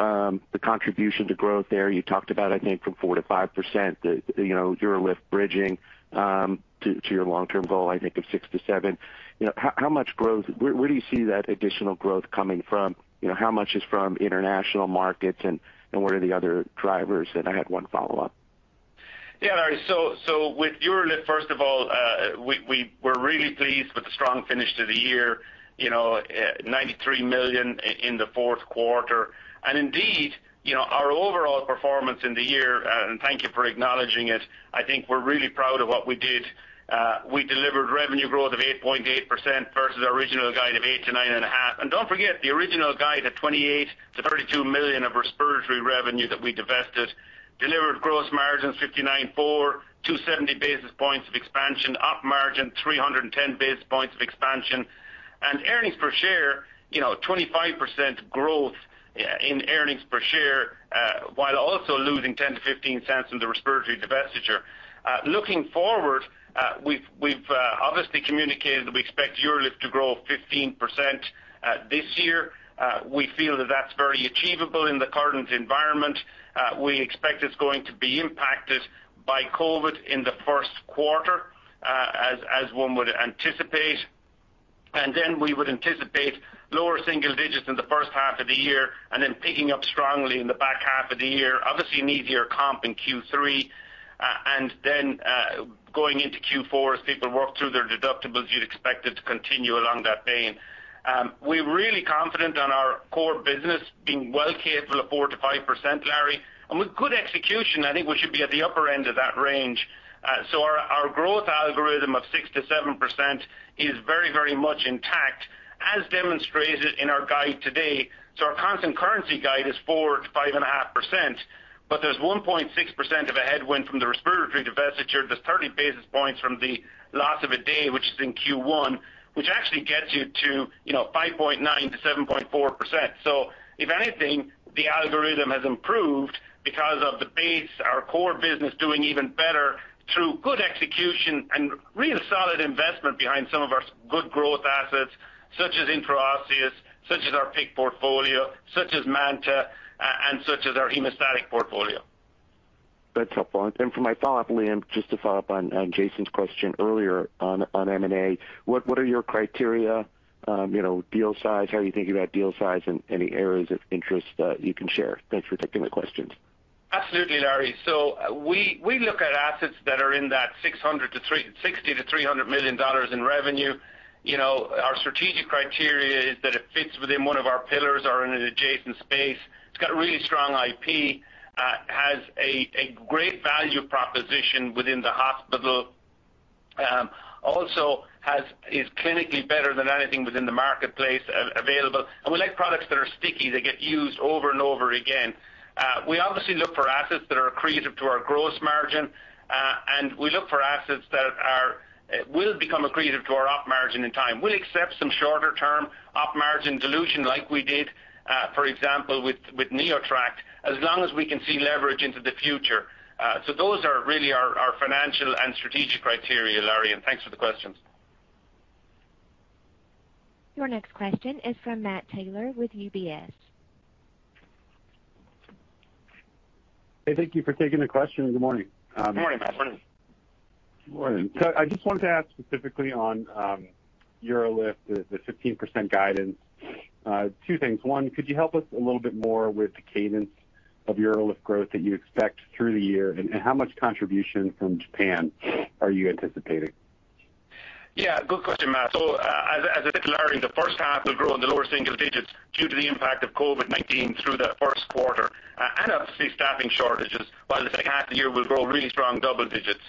the contribution to growth there, you talked about, I think, from 4% to 5%, you know, your UroLift bridging to your long-term goal, I think of 6%-7%. You know, how much growth, where do you see that additional growth coming from? You know, how much is from international markets and what are the other drivers? I had one follow-up. Yeah, Larry. With UroLift, first of all, we're really pleased with the strong finish to the year, you know, $93 million in the fourth quarter. Indeed, you know, our overall performance in the year, and thank you for acknowledging it, I think we're really proud of what we did. We delivered revenue growth of 8.8% versus our original guide of 8%-9.5%. Don't forget, the original guide had $28 million-$32 million of respiratory revenue that we divested. [We] delivered gross margins 59.4, 270 basis points of expansion, op margin, 310 basis points of expansion. Earnings per share, you know, 25% growth in earnings per share, while also losing $0.10-$0.15 in the respiratory divestiture. Looking forward, we've obviously communicated that we expect UroLift to grow 15% this year. We feel that that's very achievable in the current environment. We expect it's going to be impacted by COVID in the first quarter, as one would anticipate. Then we would anticipate lower single digits in the first half of the year and then picking up strongly in the back half of the year. Obviously, an easier comp in Q3. Then, going into Q4, as people work through their deductibles, you'd expect it to continue along that vein. We're really confident on our core business being well capable of 4%-5%, Larry. With good execution, I think we should be at the upper end of that range. Our growth algorithm of 6%-7% is very much intact, as demonstrated in our guide today. Our constant currency guide is 4%-5.5%, but there's 1.6% of a headwind from the respiratory divestiture. There's 30 basis points from the loss of a day, which is in Q1, which actually gets you to, you know, 5.9%-7.4%. If anything, the algorithm has improved because of the base, our core business doing even better through good execution and real solid investment behind some of our good growth assets, such as intraosseous, such as our PIC portfolio, such as MANTA, and such as our hemostatic portfolio. That's helpful. For my follow-up, Liam, just to follow up on Jayson's question earlier on M&A, what are your criteria? You know, deal size, how are you thinking about deal size and any areas of interest you can share? Thanks for taking the questions. Absolutely, Larry. We look at assets that are in that $60 million-$300 million in revenue. You know, our strategic criteria is that it fits within one of our pillars or in an adjacent space. It's got really strong IP, has a great value proposition within the hospital, is clinically better than anything within the marketplace available. We like products that are sticky, they get used over and over again. We obviously look for assets that are accretive to our gross margin, and we look for assets that will become accretive to our op margin in time. We'll accept some shorter-term op margin dilution like we did, for example, with NeoTract, as long as we can see leverage into the future. Those are really our financial and strategic criteria, Larry, and thanks for the questions. Your next question is from Matt Taylor with UBS. Hey, thank you for taking the question. Good morning. Good morning, Matt. Good morning. Good morning. I just wanted to ask specifically on UroLift, the 15% guidance, two things. One, could you help us a little bit more with the cadence of UroLift growth that you expect through the year? And how much contribution from Japan are you anticipating? Yeah, good question, Matt. So, as I said to Larry, the first half will grow in the lower single digits due to the impact of COVID-19 through the first quarter, and obviously, staffing shortages, while the second half of the year will grow really strong double digits.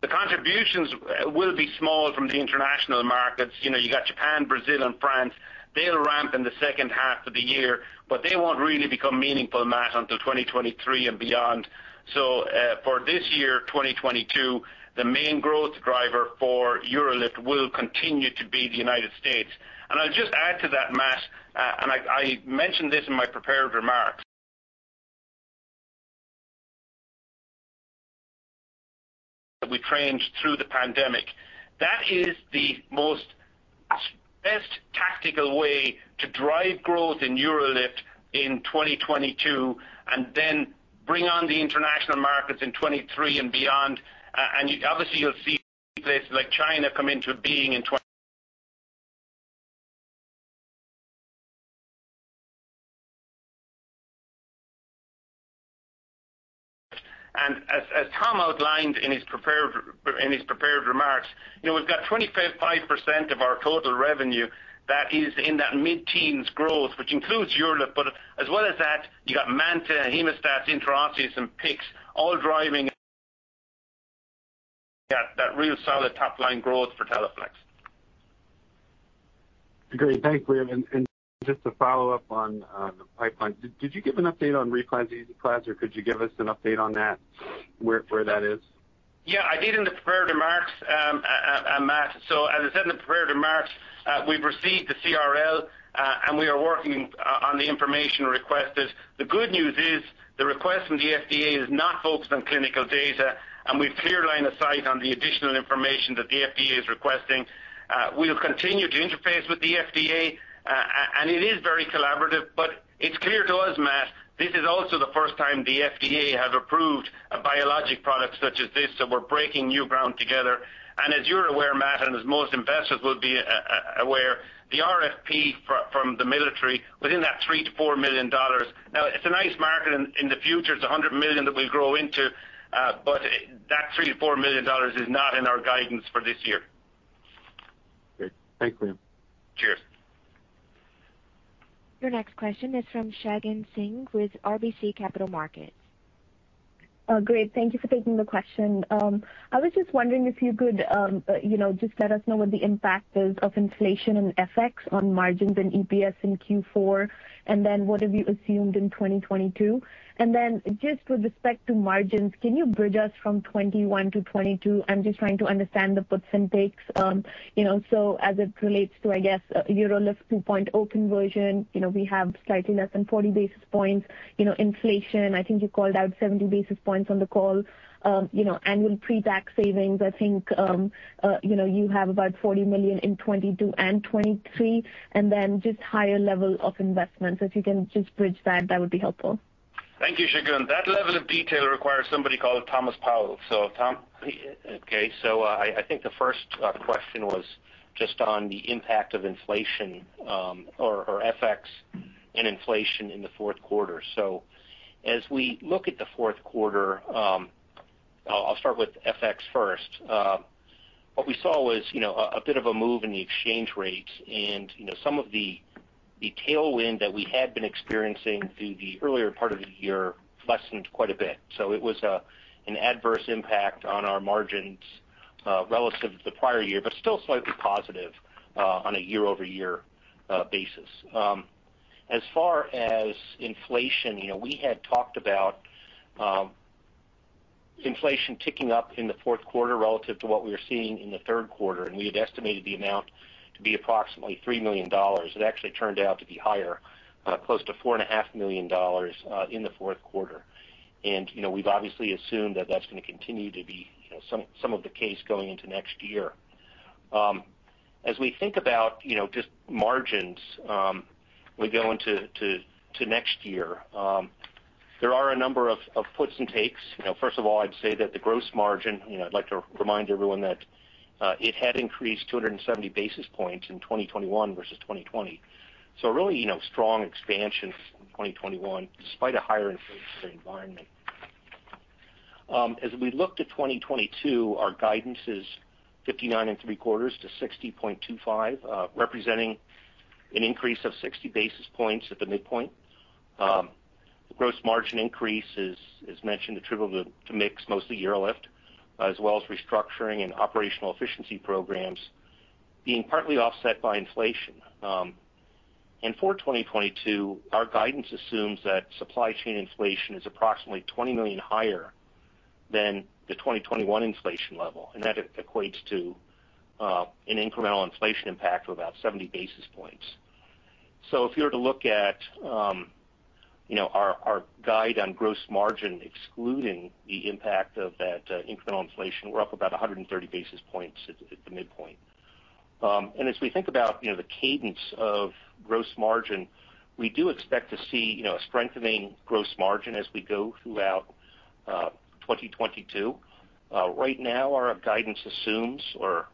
The contributions will be small from the international markets. You know, you got Japan, Brazil, and France. They'll ramp in the second half of the year, but they won't really become meaningful, Matt, until 2023 and beyond. So, for this year, 2022, the main growth driver for UroLift will continue to be the United States. I'll just add to that, Matt, and I mentioned this in my prepared remarks that we trained through the pandemic. That is the most best tactical way to drive growth in UroLift in 2022, and then bring on the international markets in 2023 and beyond. As Tom outlined in his prepared remarks, you know, we've got 25% of our total revenue that is in that mid-teens growth, which includes UroLift. As well as that, you got MANTA, Hemostat, Intraosseous and PICCs all driving that real solid top line growth for Teleflex. Great. Thanks, Liam. Just to follow up on the pipeline, did you give an update on Reclast EasyClad, or could you give us an update on that, where that is? Yeah, I did in the prepared remarks, Matt. As I said in the prepared remarks, we've received the CRL, and we are working on the information requested. The good news is the request from the FDA is not focused on clinical data, and we've clear line of sight on the additional information that the FDA is requesting. We'll continue to interface with the FDA, and it is very collaborative. It's clear to us, Matt, this is also the first time the FDA has approved a biologic product such as this, so we're breaking new ground together. As you're aware, Matt, and as most investors will be, aware, the RFP from the military within that $3 million-$4 million. Now, it's a nice market in the future. It's $100 million that we'll grow into, but that $3 million-$4 million is not in our guidance for this year. Great. Thanks, Liam. Cheers. Your next question is from Shagun Singh with RBC Capital Markets. Great. Thank you for taking the question. I was just wondering if you could, you know, just let us know what the impact is of inflation and FX on margins and EPS in Q4. What have you assumed in 2022? Just with respect to margins, can you bridge us from 2021 to 2022? I'm just trying to understand the puts and takes. You know, so as it relates to, I guess, UroLift 2 conversion, you know, we have slightly less than 40 basis points, you know, inflation. I think you called out 70 basis points on the call. You know, annual pre-tax savings, I think, you know, you have about $40 million in 2022 and 2023, and then just higher level of investments. If you can just bridge that would be helpful. Thank you, Shagun. That level of detail requires somebody called Thomas Powell. Tom. Okay. I think the first question was just on the impact of inflation, or FX and inflation in the fourth quarter. As we look at the fourth quarter, I'll start with FX first. What we saw was, you know, a bit of a move in the exchange rates. You know, some of the tailwind that we had been experiencing through the earlier part of the year lessened quite a bit. It was an adverse impact on our margins relative to the prior year, but still slightly positive on a year-over-year basis. As far as inflation, you know, we had talked about inflation ticking up in the fourth quarter relative to what we were seeing in the third quarter, and we had estimated the amount to be approximately $3 million. It actually turned out to be higher, close to $4.5 million, in the fourth quarter. You know, we've obviously assumed that that's going to continue to be, you know, somewhat the case going into next year. As we think about, you know, just margins, we go into next year, there are a number of puts and takes. You know, first of all, I'd say that the gross margin, you know, I'd like to remind everyone that it had increased 270 basis points in 2021 versus 2020. Really, you know, strong expansion in 2021 despite a higher inflation environment. As we look to 2022, our guidance is 59.75%-60.25%, representing an increase of 60 basis points at the midpoint. The gross margin increase is, as mentioned, attributable to mix mostly UroLift, as well as restructuring and operational efficiency programs being partly offset by inflation. For 2022, our guidance assumes that supply chain inflation is approximately $20 million higher than the 2021 inflation level, and that equates to an incremental inflation impact of about 70 basis points. If you were to look at, you know, our guide on gross margin excluding the impact of that incremental inflation, we're up about 130 basis points at the midpoint. As we think about, you know, the cadence of gross margin, we do expect to see, you know, a strengthening gross margin as we go throughout 2022. Right now, our guidance assumes or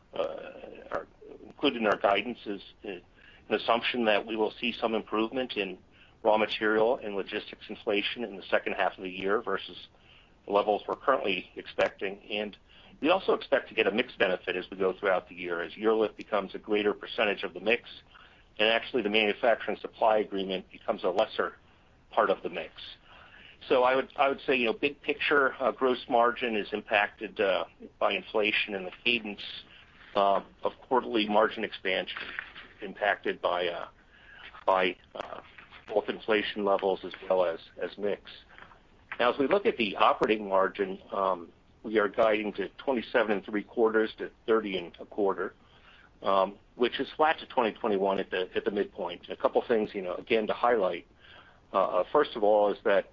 included in our guidance is an assumption that we will see some improvement in raw material and logistics inflation in the second half of the year versus the levels we're currently expecting. We also expect to get a mix benefit as we go throughout the year as UroLift becomes a greater percentage of the mix, and actually the manufacturing supply agreement becomes a lesser part of the mix. I would say, you know, big picture, gross margin is impacted by inflation and the cadence of quarterly margin expansion impacted by both inflation levels as well as mix. Now, as we look at the operating margin, we are guiding to 27.75%-30.25%. Which is flat to 2021 at the midpoint. A couple things, you know, again, to highlight. First of all, is that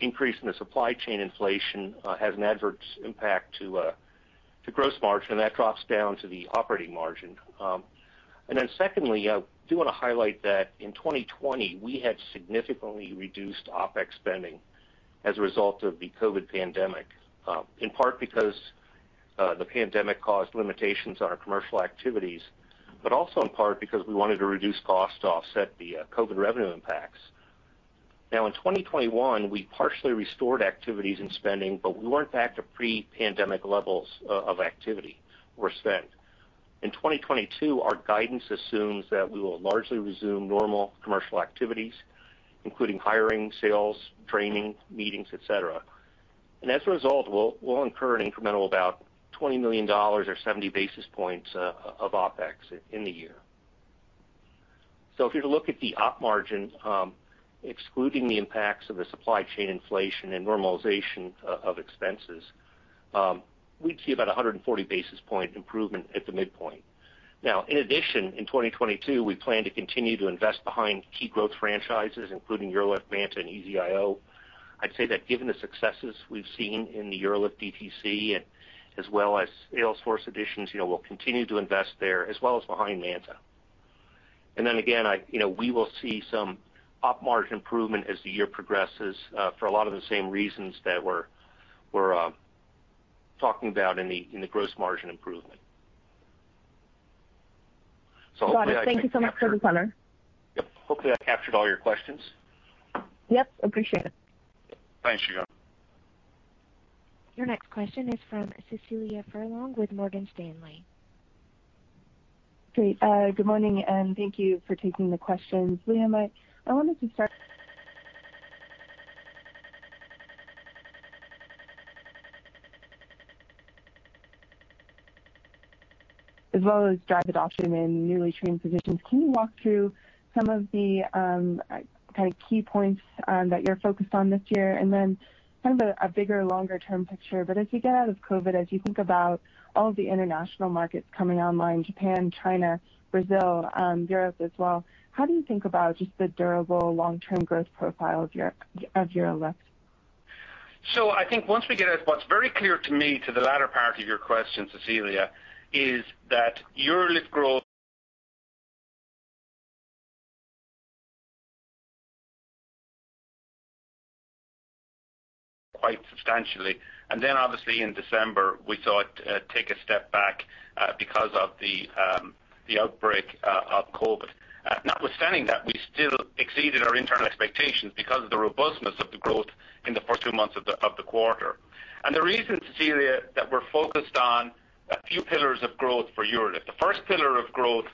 increase in the supply chain inflation has an adverse impact to gross margin, and that drops down to the operating margin. Secondly, I do wanna highlight that in 2020, we had significantly reduced OPEX spending as a result of the COVID pandemic, in part because the pandemic caused limitations on our commercial activities, but also in part because we wanted to reduce costs to offset the COVID revenue impacts. Now in 2021, we partially restored activities and spending, but we weren't back to pre-pandemic levels of activity or spend. In 2022, our guidance assumes that we will largely resume normal commercial activities, including hiring, sales, training, meetings, et cetera. As a result, we'll incur incrementally about $20 million or 70 basis points of OPEX in the year. If you look at the op margin, excluding the impacts of the supply chain inflation and normalization of expenses, we'd see about a 140 basis point improvement at the midpoint. Now, in addition, in 2022, we plan to continue to invest behind key growth franchises, including UroLift, MANTA, and EZ-IO. I'd say that given the successes we've seen in the UroLift DTC and as well as sales force additions, you know, we'll continue to invest there as well as behind MANTA. Then again, I... You know, we will see some op margin improvement as the year progresses for a lot of the same reasons that we're talking about in the gross margin improvement. Hopefully I captured. Got it. Thank you so much for the color. Yep. Hopefully, I captured all your questions. Yep. Appreciate it. Thanks, Shagun. Your next question is from Cecilia Furlong with Morgan Stanley. Great. Good morning, and thank you for taking the questions. Liam, I wanted to start as well as drive adoption in newly trained physicians. Can you walk through some of the kind of key points that you're focused on this year? Then kind of a bigger, longer term picture. As you get out of COVID, as you think about all the international markets coming online, Japan, China, Brazil, Europe as well, how do you think about just the durable long-term growth profile of your UroLift? I think once we get out, what's very clear to me to the latter part of your question, Cecilia, is that UroLift growth quite substantially. Obviously in December, we saw it take a step back because of the outbreak of COVID. Notwithstanding that, we still exceeded our internal expectations because of the robustness of the growth in the first two months of the quarter. The reason, Cecilia, that we're focused on a few pillars of growth for UroLift. The first pillar of growth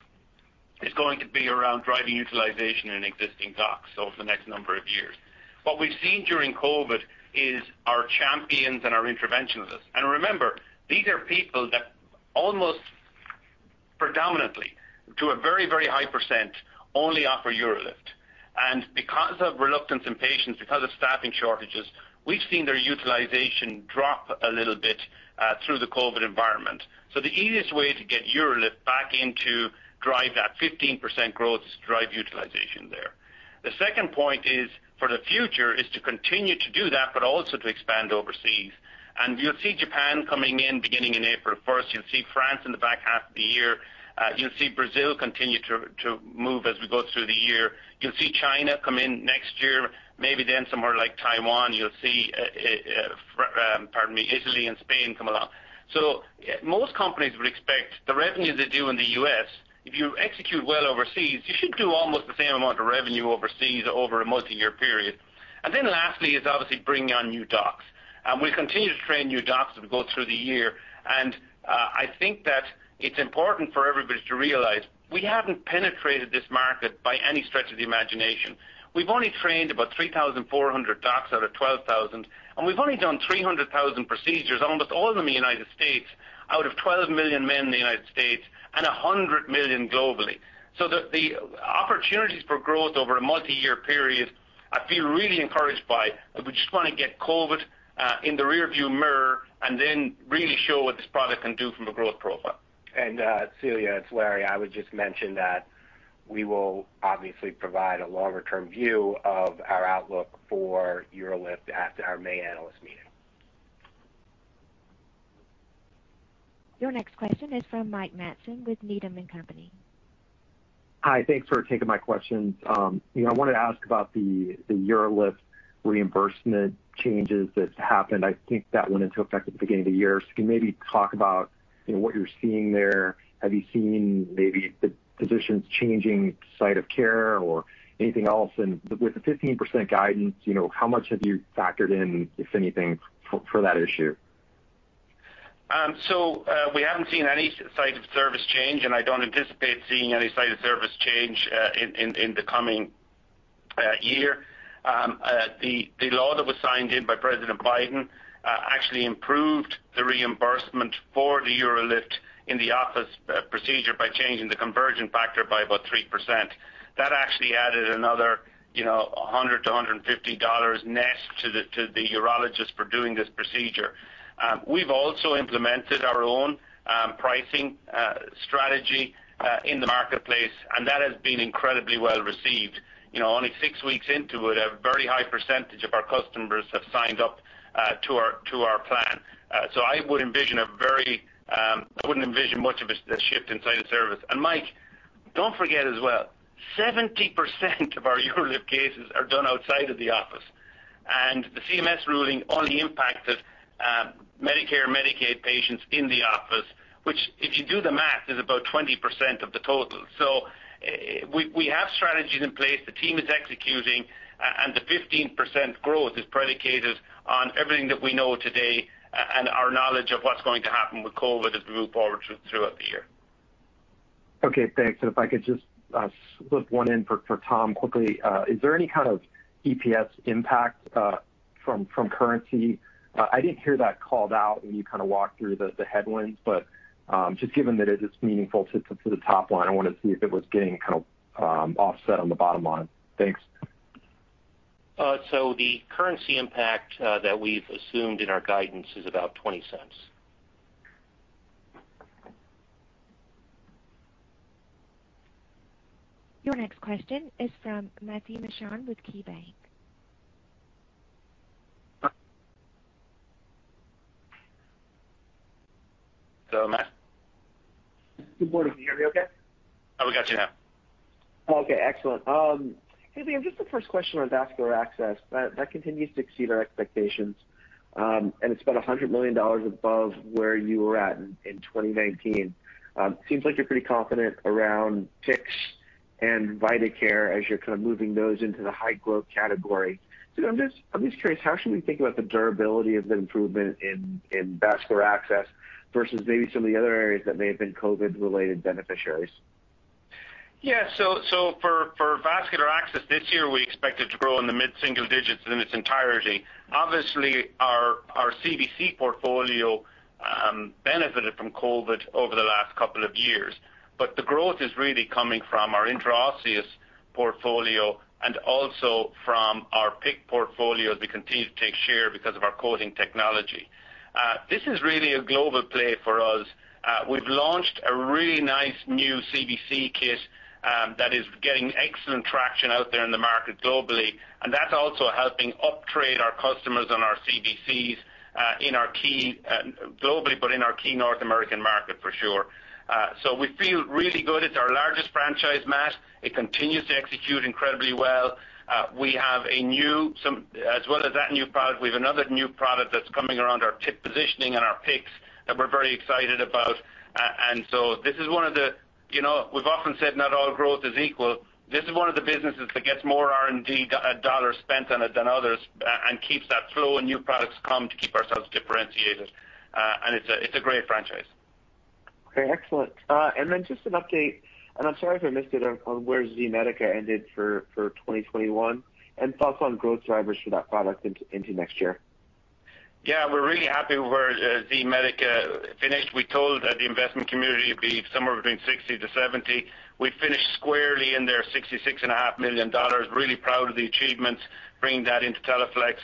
is going to be around driving utilization in existing docs over the next number of years. What we've seen during COVID is our champions and our interventionists. Remember, these are people that almost predominantly, to a very, very high percent, only offer UroLift. Because of reluctance in patients, because of staffing shortages, we've seen their utilization drop a little bit through the COVID environment. The easiest way to get UroLift back in to drive that 15% growth is to drive utilization there. The second point is for the future is to continue to do that, but also to expand overseas. You'll see Japan coming in beginning in April first. You'll see France in the back half of the year. You'll see Brazil continue to move as we go through the year. You'll see China come in next year, maybe then somewhere like Taiwan. You'll see Italy and Spain come along. Most companies would expect the revenue they do in the U.S., if you execute well overseas, you should do almost the same amount of revenue overseas over a multi-year period. Then lastly is obviously bringing on new docs. We'll continue to train new docs as we go through the year. I think that it's important for everybody to realize we haven't penetrated this market by any stretch of the imagination. We've only trained about 3,400 docs out of 12,000, and we've only done 300,000 procedures, almost all of them in the United States, out of 12 million men in the United States and 100 million globally. The opportunities for growth over a multi-year period, I feel really encouraged by. We just wanna get COVID in the rear view mirror and then really show what this product can do from a growth profile. Cecilia, it's Larry. I would just mention that we will obviously provide a longer term view of our outlook for UroLift at our May analyst meeting. Your next question is from Mike Matson with Needham & Company. Hi. Thanks for taking my questions. You know, I wanted to ask about the UroLift reimbursement changes that's happened. I think that went into effect at the beginning of the year. Can you maybe talk about, you know, what you're seeing there? Have you seen maybe the physicians changing site of care or anything else? With the 15% guidance, you know, how much have you factored in, if anything, for that issue? We haven't seen any site of service change, and I don't anticipate seeing any site of service change in the coming year. The law that was signed in by President Biden actually improved the reimbursement for the UroLift in the office procedure by changing the conversion factor by about 3%. That actually added another, you know, $100-$150 net to the urologist for doing this procedure. We've also implemented our own pricing strategy in the marketplace, and that has been incredibly well received. You know, only six weeks into it, a very high percentage of our customers have signed up to our plan. I wouldn't envision much of a shift in site of service. Mike, don't forget as well, 70% of our UroLift cases are done outside of the office. The CMS ruling only impacted Medicare, Medicaid patients in the office, which, if you do the math, is about 20% of the total. We have strategies in place, the team is executing, and the 15% growth is predicated on everything that we know today and our knowledge of what's going to happen with COVID as we move forward throughout the year. Okay, thanks. If I could just slip one in for Tom quickly. Is there any kind of EPS impact from currency? I didn't hear that called out when you kind of walked through the headwinds, but just given that it is meaningful to the top line, I wanted to see if it was getting kind of offset on the bottom line. Thanks. The currency impact that we've assumed in our guidance is about $0.20. Your next question is from Matthew Mishan with KeyBanc. Hello, Matt. Good morning. Can you hear me okay? We got you now. Okay, excellent. Hey, Liam, just the first question on vascular access. That continues to exceed our expectations, and it's about $100 million above where you were at in 2019. Seems like you're pretty confident around PICCs and Vidacare as you're kind of moving those into the high growth category. I'm just curious, how should we think about the durability of the improvement in vascular access versus maybe some of the other areas that may have been COVID-related beneficiaries? Yeah. For vascular access this year, we expect it to grow in the mid-single digits in its entirety. Obviously, our CVC portfolio benefited from COVID over the last couple of years. The growth is really coming from our intraosseous portfolio and also from our PICC portfolio as we continue to take share because of our coating technology. This is really a global play for us. We've launched a really nice new CVC kit that is getting excellent traction out there in the market globally, and that's also helping uptrade our customers on our CVCs in our key markets globally, but in our key North American market for sure. We feel really good. It's our largest franchise, Matt. It continues to execute incredibly well. We have a new... As well as that new product, we have another new product that's coming around our tip positioning and our PICCs that we're very excited about. You know, we've often said not all growth is equal. This is one of the businesses that gets more R&D dollars spent on it than others and keeps that flow, and new products come to keep ourselves differentiated. It's a great franchise. Okay, excellent. Just an update, and I'm sorry if I missed it, on where Z-Medica ended for 2021, and thoughts on growth drivers for that product into next year. Yeah. We're really happy where Z-Medica finished. We told the investment community it'd be somewhere between 60-70. We finished squarely in there, $66.5 million. Really proud of the achievements, bringing that into Teleflex.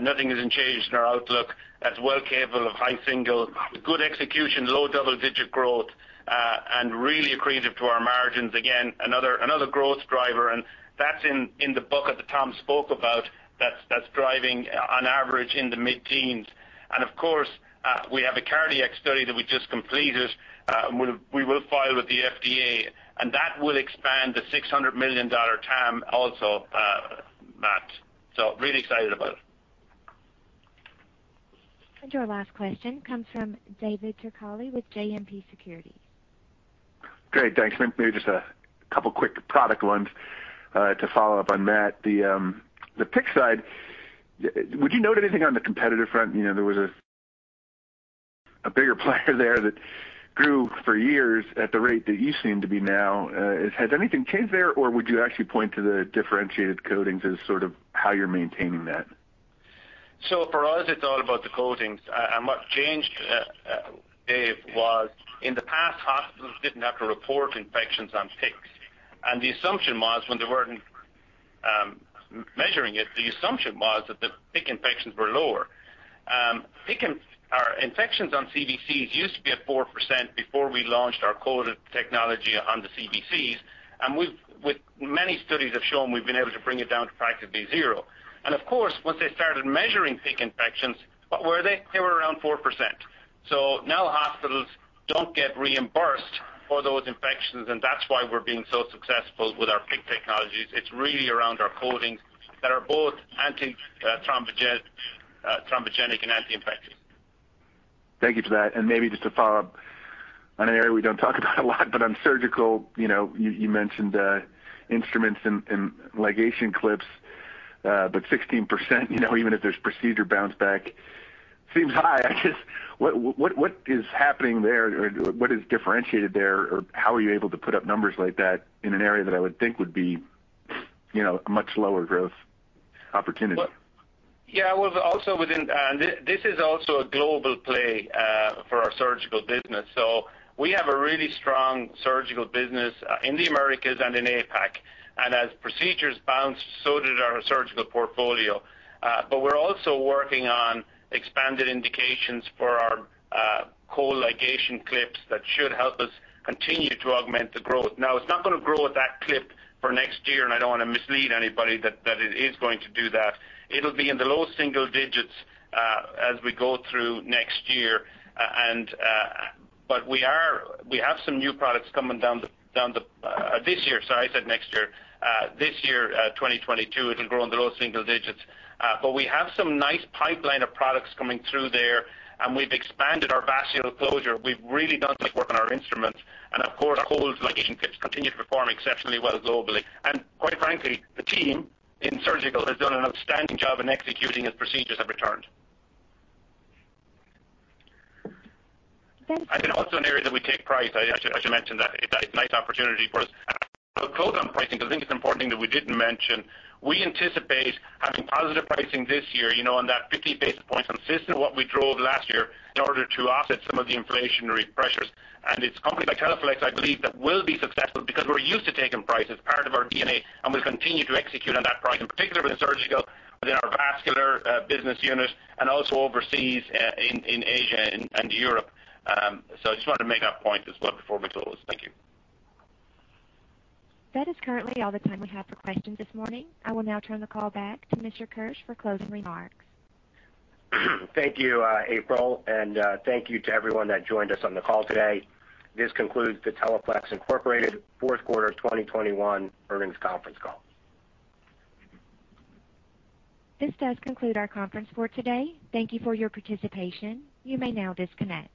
Nothing has changed in our outlook. That's well capable of high single-digit, with good execution, low double-digit growth, and really accretive to our margins. Again, another growth driver, and that's in the bucket that Tom spoke about that's driving on average in the mid-teens%. Of course, we have a cardiac study that we just completed, and we will file with the FDA, and that will expand the $600 million TAM also, Matt. Really excited about it. Your last question comes from David Turkaly with JMP Securities. Great. Thanks. Maybe just a couple quick product ones to follow up on Matt. The PICC side, would you note anything on the competitive front? You know, there was a bigger player there that grew for years at the rate that you seem to be now. Has anything changed there, or would you actually point to the differentiated coatings as sort of how you're maintaining that? For us, it's all about the coatings. What changed, Dave, was in the past, hospitals didn't have to report infections on PICCs. The assumption was when they weren't measuring it, the assumption was that the PICC infections were lower. PICC or infections on CVCs used to be at 4% before we launched our coated technology on the CVCs. Many studies have shown we've been able to bring it down to practically zero. Of course, once they started measuring PICC infections, what were they? They were around 4%. Now hospitals don't get reimbursed for those infections, and that's why we're being so successful with our PICC technologies. It's really around our coatings that are both anti-thrombogenic and anti-infectious. Thank you for that. Maybe just to follow up on an area we don't talk about a lot, but on surgical, you know, you mentioned instruments and ligation clips, but 16%, you know, even if there's procedure bounce back. Seems high. I guess what is happening there or what is differentiated there? Or how are you able to put up numbers like that in an area that I would think would be, you know, a much lower growth opportunity? Well, yeah. This is also a global play for our surgical business. We have a really strong surgical business in the Americas and in APAC. As procedures bounced, so did our surgical portfolio. We're also working on expanded indications for our Weck ligation clips that should help us continue to augment the growth. Now, it's not gonna grow at that clip for next year, and I don't wanna mislead anybody that it is going to do that. It'll be in the low single digits as we go through next year. We have some new products coming down the pike this year. Sorry, I said next year. This year, 2022, it'll grow in the low single digits. We have some nice pipeline of products coming through there, and we've expanded our vascular closure. We've really done some work on our instruments. Of course, our Weck's ligation clips continue to perform exceptionally well globally. Quite frankly, the team in Surgical has done an outstanding job in executing as procedures have returned. Thank you. Then also an area that we take price. I should mention that it's a nice opportunity for us. I'll close on pricing because I think it's important that we didn't mention. We anticipate having positive pricing this year, you know, on that 50 basis points on systems that we drove last year in order to offset some of the inflationary pressures. It's companies like Teleflex, I believe, that will be successful because we're used to taking price. It's part of our DNA, and we'll continue to execute on that price, in particular with surgical within our vascular business unit and also overseas in Asia and Europe. I just wanted to make that point as well before we close. Thank you. That is currently all the time we have for questions this morning. I will now turn the call back to Mr. Keusch for closing remarks. Thank you, April, and thank you to everyone that joined us on the call today. This concludes the Teleflex Incorporated fourth quarter of 2021 earnings conference call. This does conclude our conference for today. Thank you for your participation. You may now disconnect.